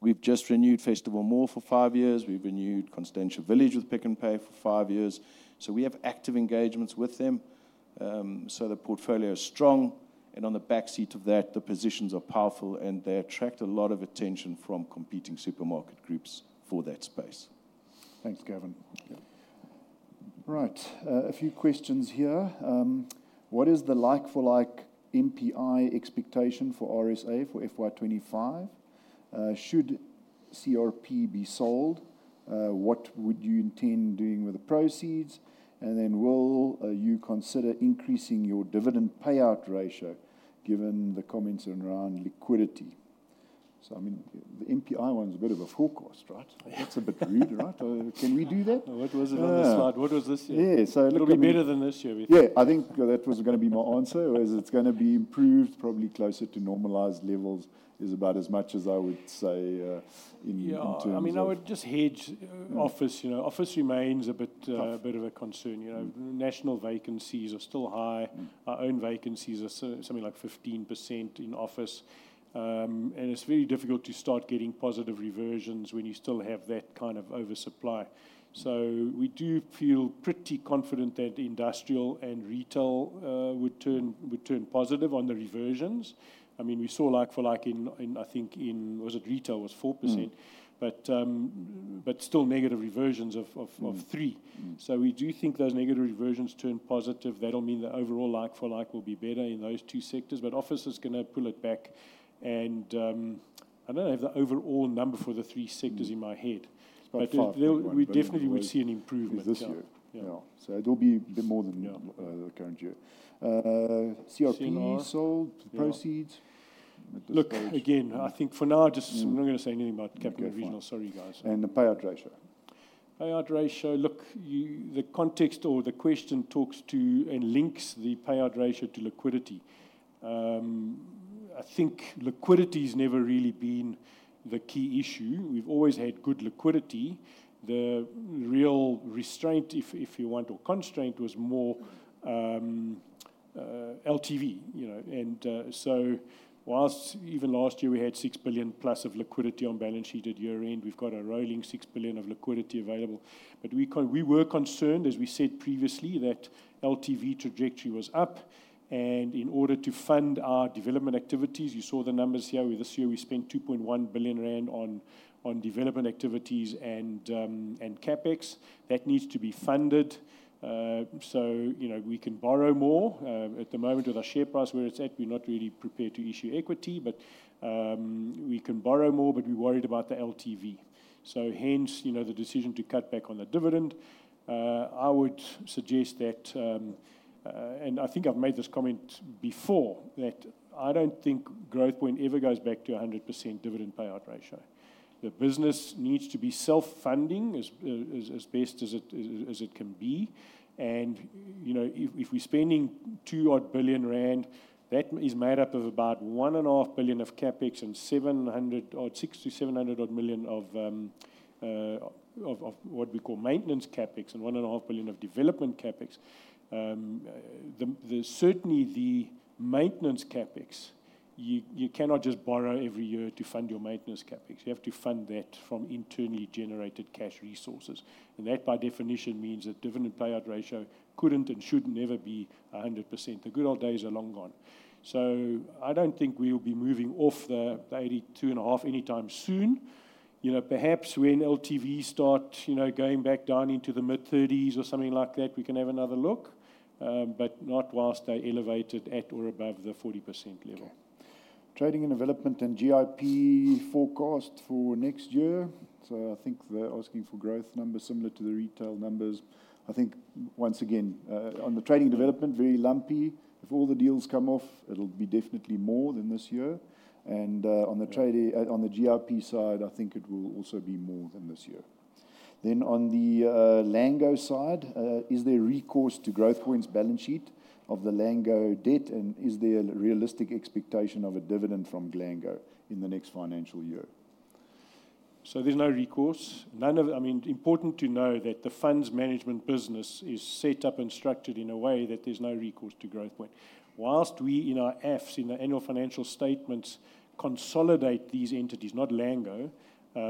We've just renewed Festival Mall for five years. We've renewed Constantia Village with Pick n Pay for five years. So we have active engagements with them. So the portfolio is strong.... and on the back seat of that, the positions are powerful, and they attract a lot of attention from competing supermarket groups for that space. Thanks, Gavin. Yeah. Right, a few questions here. What is the like-for-like NPI expectation for RSA for FY 2025? Should CRP be sold, what would you intend doing with the proceeds? And then will you consider increasing your dividend payout ratio, given the comments around liquidity? So, I mean, the NPI one's a bit of a forecast, right? That's a bit weird, right? Can we do that? What was it on the slide? Uh. What was this year? Yeah, so look- It'll be better than this year. Yeah, I think that was gonna be my answer, was it's gonna be improved, probably closer to normalized levels, is about as much as I would say, in, in terms of- Yeah, I mean, I would just hedge. Yeah. office, you know, office remains a bit, Yeah... a bit of a concern. Mm. You know, national vacancies are still high. Mm. Our own vacancies are something like 15% in office, and it's very difficult to start getting positive reversions when you still have that kind of oversupply. Mm. So we do feel pretty confident that industrial and retail would turn positive on the reversions. I mean, we saw like for like in, I think in... Was it retail? Was 4%. Mm. Still negative reversions of three. Mm. Mm. So we do think those negative reversions turn positive. That'll mean the overall like for like will be better in those two sectors, but office is gonna pull it back. And, I don't have the overall number for the three sectors in my head. Mm. It's about five. But there, we definitely would see an improvement. This year. Yeah. Yeah. So it'll be a bit more than- Yeah... the current year. CRP- CRP... sold, the proceeds? At this stage. Look, again, I think for now, just- Mm... I'm not gonna say anything about Capital & Regional. Okay. Sorry, guys. The payout ratio? Payout ratio, look, you, the context or the question talks to and links the payout ratio to liquidity. I think liquidity's never really been the key issue. We've always had good liquidity. The real restraint, if you want, or constraint, was more, LTV, you know. And, so whilst even last year we had 6 billion plus of liquidity on balance sheet at year-end, we've got a rolling 6 billion of liquidity available. But we were concerned, as we said previously, that LTV trajectory was up, and in order to fund our development activities, you saw the numbers here. This year we spent 2.1 billion rand on development activities and CapEx. That needs to be funded. So, you know, we can borrow more. At the moment, with our share price where it's at, we're not really prepared to issue equity, but we can borrow more, but we're worried about the LTV. Hence, you know, the decision to cut back on the dividend. I would suggest that and I think I've made this comment before, that I don't think Growthpoint ever goes back to 100% dividend payout ratio. The business needs to be self-funding, as best as it can be. You know, if we're spending two odd billion rand, that is made up of about 1.5 billion of CapEx and seven hundred odd, sixty to seven hundred odd million of what we call maintenance CapEx, and 1.5 billion of development CapEx. Certainly, the maintenance CapEx, you cannot just borrow every year to fund your maintenance CapEx. You have to fund that from internally generated cash resources. And that, by definition, means that dividend payout ratio couldn't and should never be 100%. The good old days are long gone. So I don't think we'll be moving off the 82.5% anytime soon. You know, perhaps when LTV start, you know, going back down into the mid-thirties or something like that, we can have another look. But not whilst they're elevated at or above the 40% level. Okay. Trading and development and GIP forecast for next year. So I think they're asking for growth numbers similar to the retail numbers. I think, once again, on the trading development, very lumpy. If all the deals come off, it'll be definitely more than this year. And, on the trade, on the GIP side, I think it will also be more than this year. Then on the, Lango side, is there recourse to Growthpoint's balance sheet of the Lango debt, and is there a realistic expectation of a dividend from Lango in the next financial year? So there's no recourse. I mean, important to know that the funds management business is set up and structured in a way that there's no recourse to Growthpoint. While we, in our AFS, in the annual financial statements, consolidate these entities, not Lango,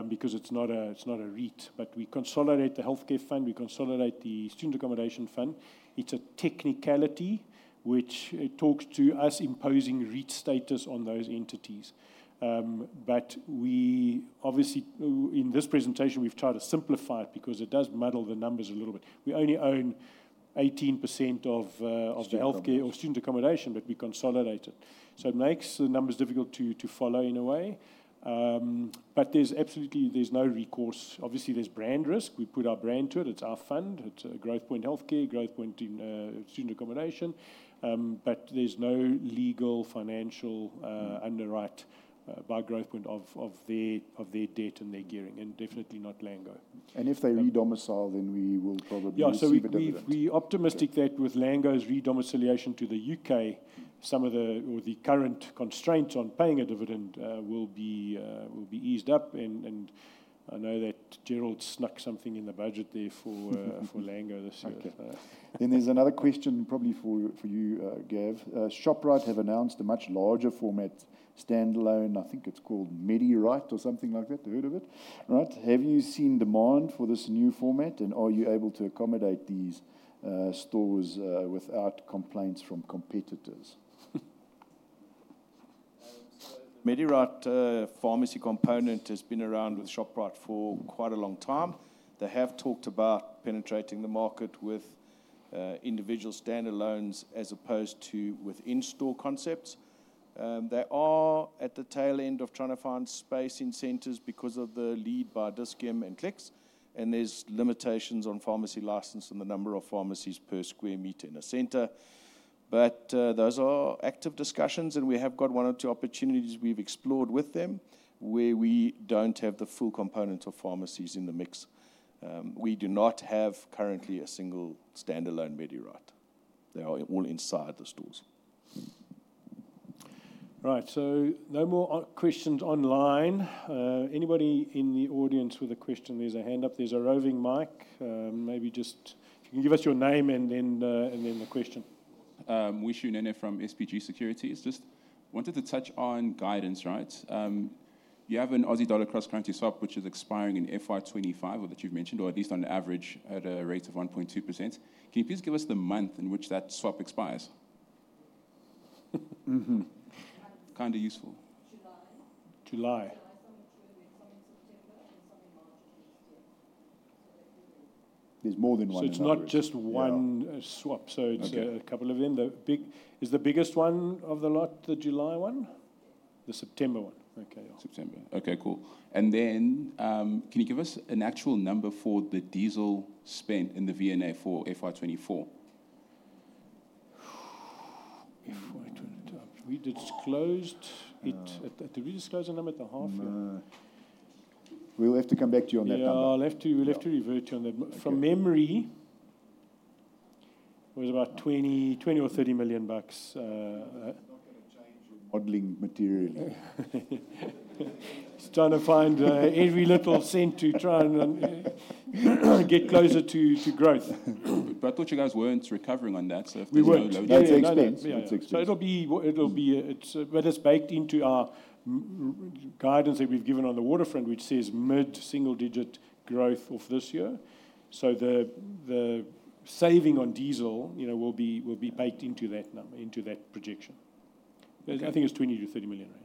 because it's not a REIT, but we consolidate the healthcare fund, we consolidate the student accommodation fund. It's a technicality, which it talks to us imposing REIT status on those entities. But we obviously, in this presentation, we've tried to simplify it because it does muddle the numbers a little bit. We only own 18% of, Student accommodation... of the healthcare or student accommodation, but we consolidate it. So it makes the numbers difficult to follow in a way. But there's absolutely no recourse. Obviously, there's brand risk. We put our brand to it. It's our fund. It's Growthpoint Healthcare, Growthpoint Student Accommodation. But there's no legal, financial underwrite by Growthpoint of their debt and their gearing, and definitely not Lango. If they re-domicile, then we will probably receive a dividend. Yeah, so we optimistic that with Lango's re-domiciliation to the UK, some of the, or the current constraints on paying a dividend will be eased up. And I know that Gerald snuck something in the budget there for Lango this year. Okay. Then there's another question probably for you, Gav. Shoprite have announced a much larger format, standalone, I think it's called MediRite or something like that. Have you heard of it? Right. Have you seen demand for this new format, and are you able to accommodate these stores without complaints from competitors?... MediRite pharmacy component has been around with Shoprite for quite a long time. They have talked about penetrating the market with individual standalones as opposed to with in-store concepts. They are at the tail end of trying to find space in centers because of the lead by Dis-Chem and Clicks, and there's limitations on pharmacy license and the number of pharmacies per square meter in a center. But those are active discussions, and we have got one or two opportunities we've explored with them, where we don't have the full component of pharmacies in the mix. We do not have currently a single standalone MediRite. They are all inside the stores. Right, so no more online questions. Anybody in the audience with a question? There's a hand up. There's a roving mic. Maybe just... If you can give us your name, and then the question. Nusiki Nene from SBG Securities. Just wanted to touch on guidance, right? You have an Aussie dollar cross-currency swap, which is expiring in FY 2025, or that you've mentioned, or at least on average, at a rate of 1.2%. Can you please give us the month in which that swap expires? Mm-hmm. Kinda useful. July. July. July. Some in July, some in September, and some in March of next year. There's more than one- So it's not just one- Yeah... swap. Okay. It's a couple of them. Is the biggest one of the lot the July one? Yes. The September one. Okay, yeah. September. Okay, cool. And then, can you give us an actual number for the diesel spent in the V&A for FY 2024? FY 2020. We disclosed it at the- No. Did we disclose the number at the half year? No. We'll have to come back to you on that number. Yeah, I'll have to- Yeah... we'll have to revert you on that. Okay. From memory, it was about $20 million or $30 million. Modelled materially. Trying to find every little cent to try and get closer to growth. But I thought you guys weren't recovering on that, so if there's no load- We weren't. Yeah, yeah, yeah. That's an expense. Yeah. That's expense. It'll be. It's, but it's baked into our guidance that we've given on the waterfront, which says mid-single-digit growth of this year. The saving on diesel, you know, will be baked into that number, into that projection. Okay. But I think it's 20 million-30 million, right?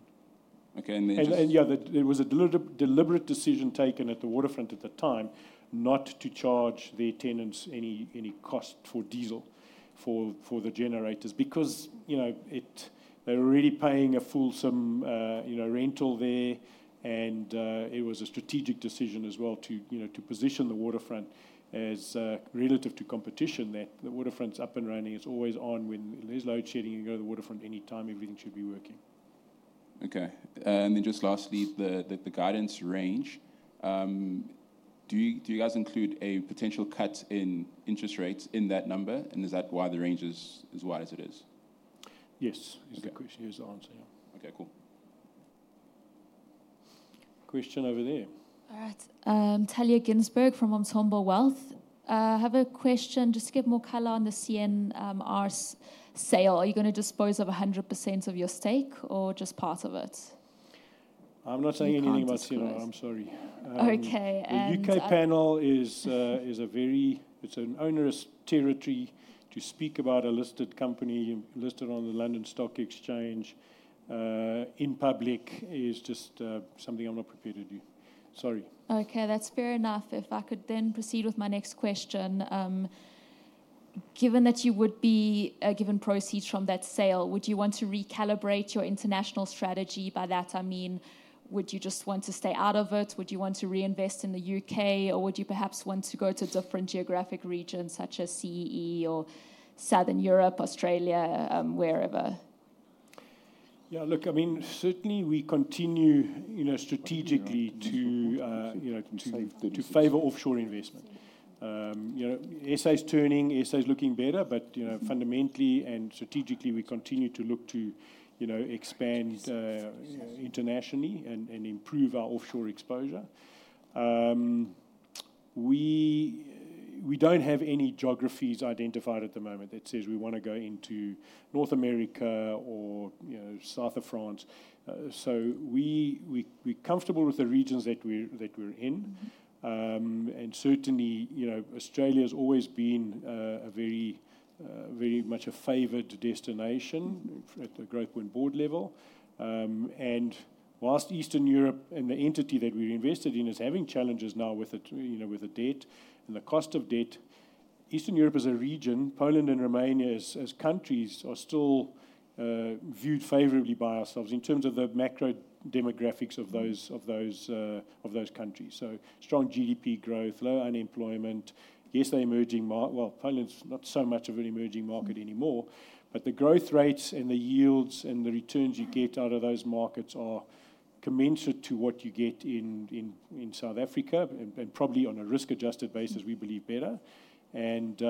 Okay, and then just- Yeah, it was a deliberate decision taken at the waterfront at the time, not to charge the tenants any cost for diesel for the generators. Because, you know, they're already paying a fulsome rental there, and it was a strategic decision as well to position the waterfront relative to competition, that the waterfront's up and running. It's always on. When there's load shedding, you go to the waterfront anytime, everything should be working. Okay. And then just lastly, the guidance range. Do you guys include a potential cut in interest rates in that number, and is that why the range is as wide as it is? Yes. Okay. That question, yes, is the answer, yeah. Okay, cool. Question over there? All right. Talya Ginsberg from Umthombo Wealth. I have a question, just to get more color on the C&R's sale. Are you gonna dispose of 100% of your stake or just part of it? I'm not saying anything about CNR. You can't disclose.... I'm sorry. Okay, and The UK panel is a very. It's an onerous territory to speak about a listed company, listed on the London Stock Exchange, in public, is just something I'm not prepared to do. Sorry. Okay, that's fair enough. If I could then proceed with my next question. Given that you would be given proceeds from that sale, would you want to recalibrate your international strategy? By that, I mean, would you just want to stay out of it? Would you want to reinvest in the UK, or would you perhaps want to go to different geographic regions, such as CEE or Southern Europe, Australia, wherever? Yeah, look, I mean, certainly we continue, you know, strategically to, you know- Save the dates... to favor offshore investment. You know, SA's turning, SA's looking better, but, you know, fundamentally and strategically, we continue to look to, you know, expand internationally and improve our offshore exposure. We don't have any geographies identified at the moment that says we wanna go into North America or, you know, south of France. So we're comfortable with the regions that we're in. And certainly, you know, Australia's always been a very much a favored destination at the Growthpoint board level. And while Eastern Europe and the entity that we're invested in is having challenges now with the, you know, with the debt and the cost of debt, Eastern Europe as a region, Poland and Romania as countries, are still viewed favorably by ourselves in terms of the macro demographics of those countries. So strong GDP growth, low unemployment. Yes, they're emerging markets. Well, Poland's not so much of an emerging market anymore. But the growth rates and the yields and the returns you get out of those markets are commensurate to what you get in South Africa, and probably on a risk-adjusted basis, we believe better. And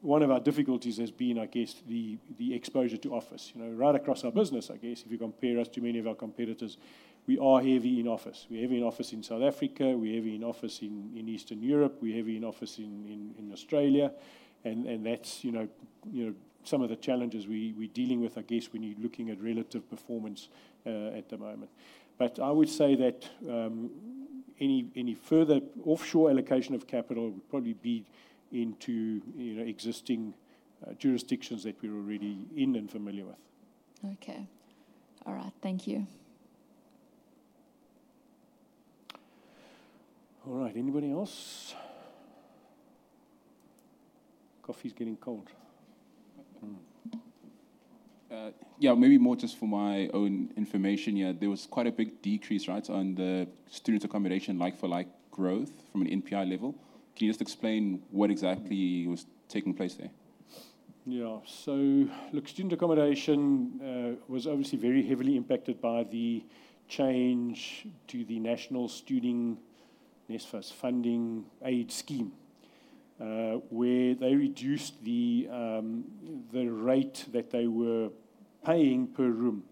one of our difficulties has been, I guess, the exposure to office. You know, right across our business, I guess, if you compare us to many of our competitors, we are heavy in office. We're heavy in office in South Africa, we're heavy in office in Eastern Europe, we're heavy in office in Australia, and that's, you know, some of the challenges we're dealing with, I guess, when you're looking at relative performance at the moment. But I would say that any further offshore allocation of capital would probably be into, you know, existing jurisdictions that we're already in and familiar with. Okay. All right. Thank you. All right, anybody else? Coffee's getting cold. Yeah, maybe more just for my own information here. There was quite a big decrease, right, on the student accommodation, like for like growth from an NPI level. Can you just explain what exactly was taking place there? Yeah. So look, student accommodation was obviously very heavily impacted by the change to the National Student Financial Aid Scheme, where they reduced the rate that they were paying per room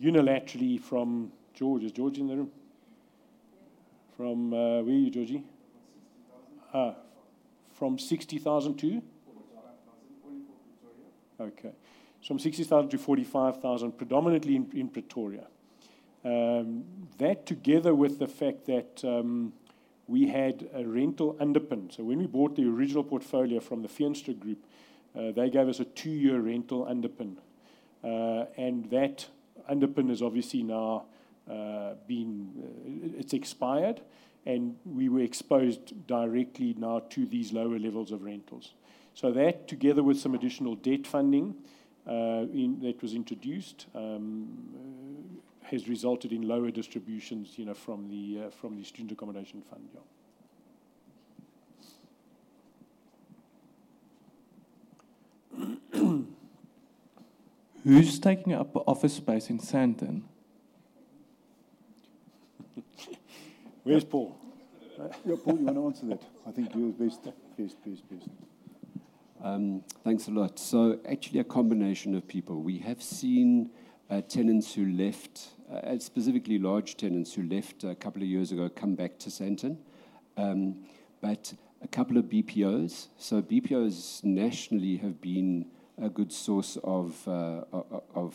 unilaterally from George. Is George in the room? Yeah. From where are you, Georgie? From 60,000. Ah, from 60,000 to? 45,000, only for Pretoria. Okay. 65,000-45,000, predominantly in Pretoria. That together with the fact that we had a rental underpin. When we bought the original portfolio from the Feenstra Group, they gave us a two-year rental underpin. And that underpin is obviously now expired, and we were exposed directly now to these lower levels of rentals. That, together with some additional debt funding that was introduced, has resulted in lower distributions, you know, from the student accommodation fund. Yeah. Who's taking up office space in Sandton? Where's Paul? Yeah, Paul, you wanna answer that? I think you're best, please, please, please. Thanks a lot. So actually, a combination of people. We have seen tenants who left, specifically large tenants who left a couple of years ago, come back to Sandton. But a couple of BPOs. So BPOs nationally have been a good source of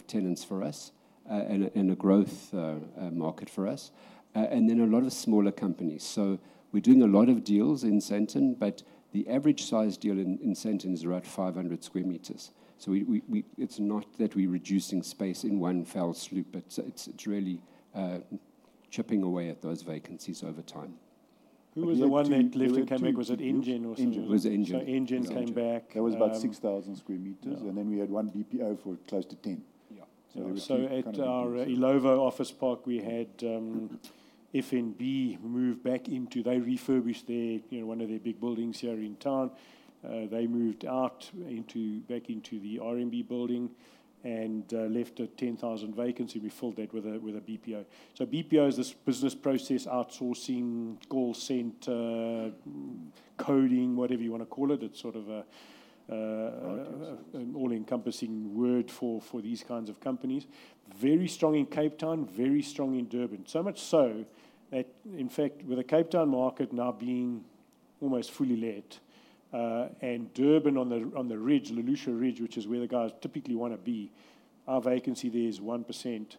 tenants for us, and a growth market for us, and then a lot of smaller companies. So we're doing a lot of deals in Sandton, but the average size deal in Sandton is around 500 sq m. So it's not that we're reducing space in one fell swoop, but it's really chipping away at those vacancies over time. Who was the one that left and came back? Was it Engen or- Engen. It was Engen. So Engen came back. That was about 6000 sq m. Yeah. We had one BPO for close to ten. Yeah. So- So at Illovo Office Park, we had FNB move back into. They refurbished their, you know, one of their big buildings here in town. They moved out into, back into the RMB building and left a 10,000 vacancy. We filled that with a BPO. So BPO is this business process outsourcing, call center, coding, whatever you wanna call it. It's sort of a. Right... an all-encompassing word for these kinds of companies. Very strong in Cape Town, very strong in Durban. So much so that, in fact, with the Cape Town market now being almost fully let, and Durban on the Ridge, Umhlanga Ridge, which is where the guys typically wanna be, our vacancy there is 1%.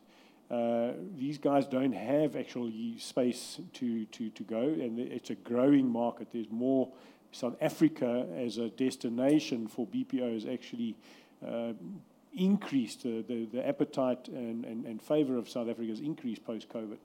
These guys don't have actually space to go, and it's a growing market. There's more South Africa as a destination for BPOs actually, increased the appetite and favor of South Africa has increased post-COVID.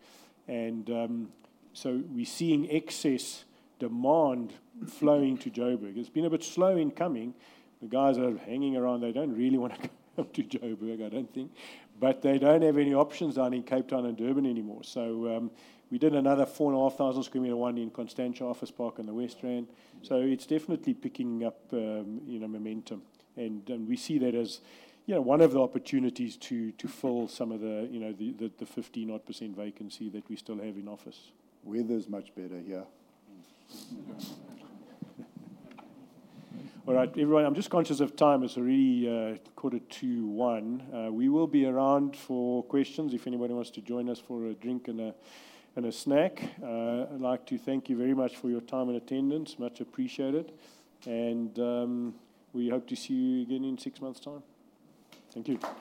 And, so we're seeing excess demand flowing to Joburg. It's been a bit slow in coming. The guys are hanging around. They don't really wanna come to Joburg, I don't think, but they don't have any options down in Cape Town and Durban anymore. So, we did another 4,500 sq m, one in Constantia Office Park on the West Rand. It's definitely picking up, you know, momentum. We see that as, you know, one of the opportunities to fill some of the, you know, the 15% vacancy that we still have in office. Weather's much better here. All right, everyone, I'm just conscious of time. It's already 12:45 P.M. We will be around for questions if anybody wants to join us for a drink and a snack. I'd like to thank you very much for your time and attendance. Much appreciated, and we hope to see you again in six months' time. Thank you.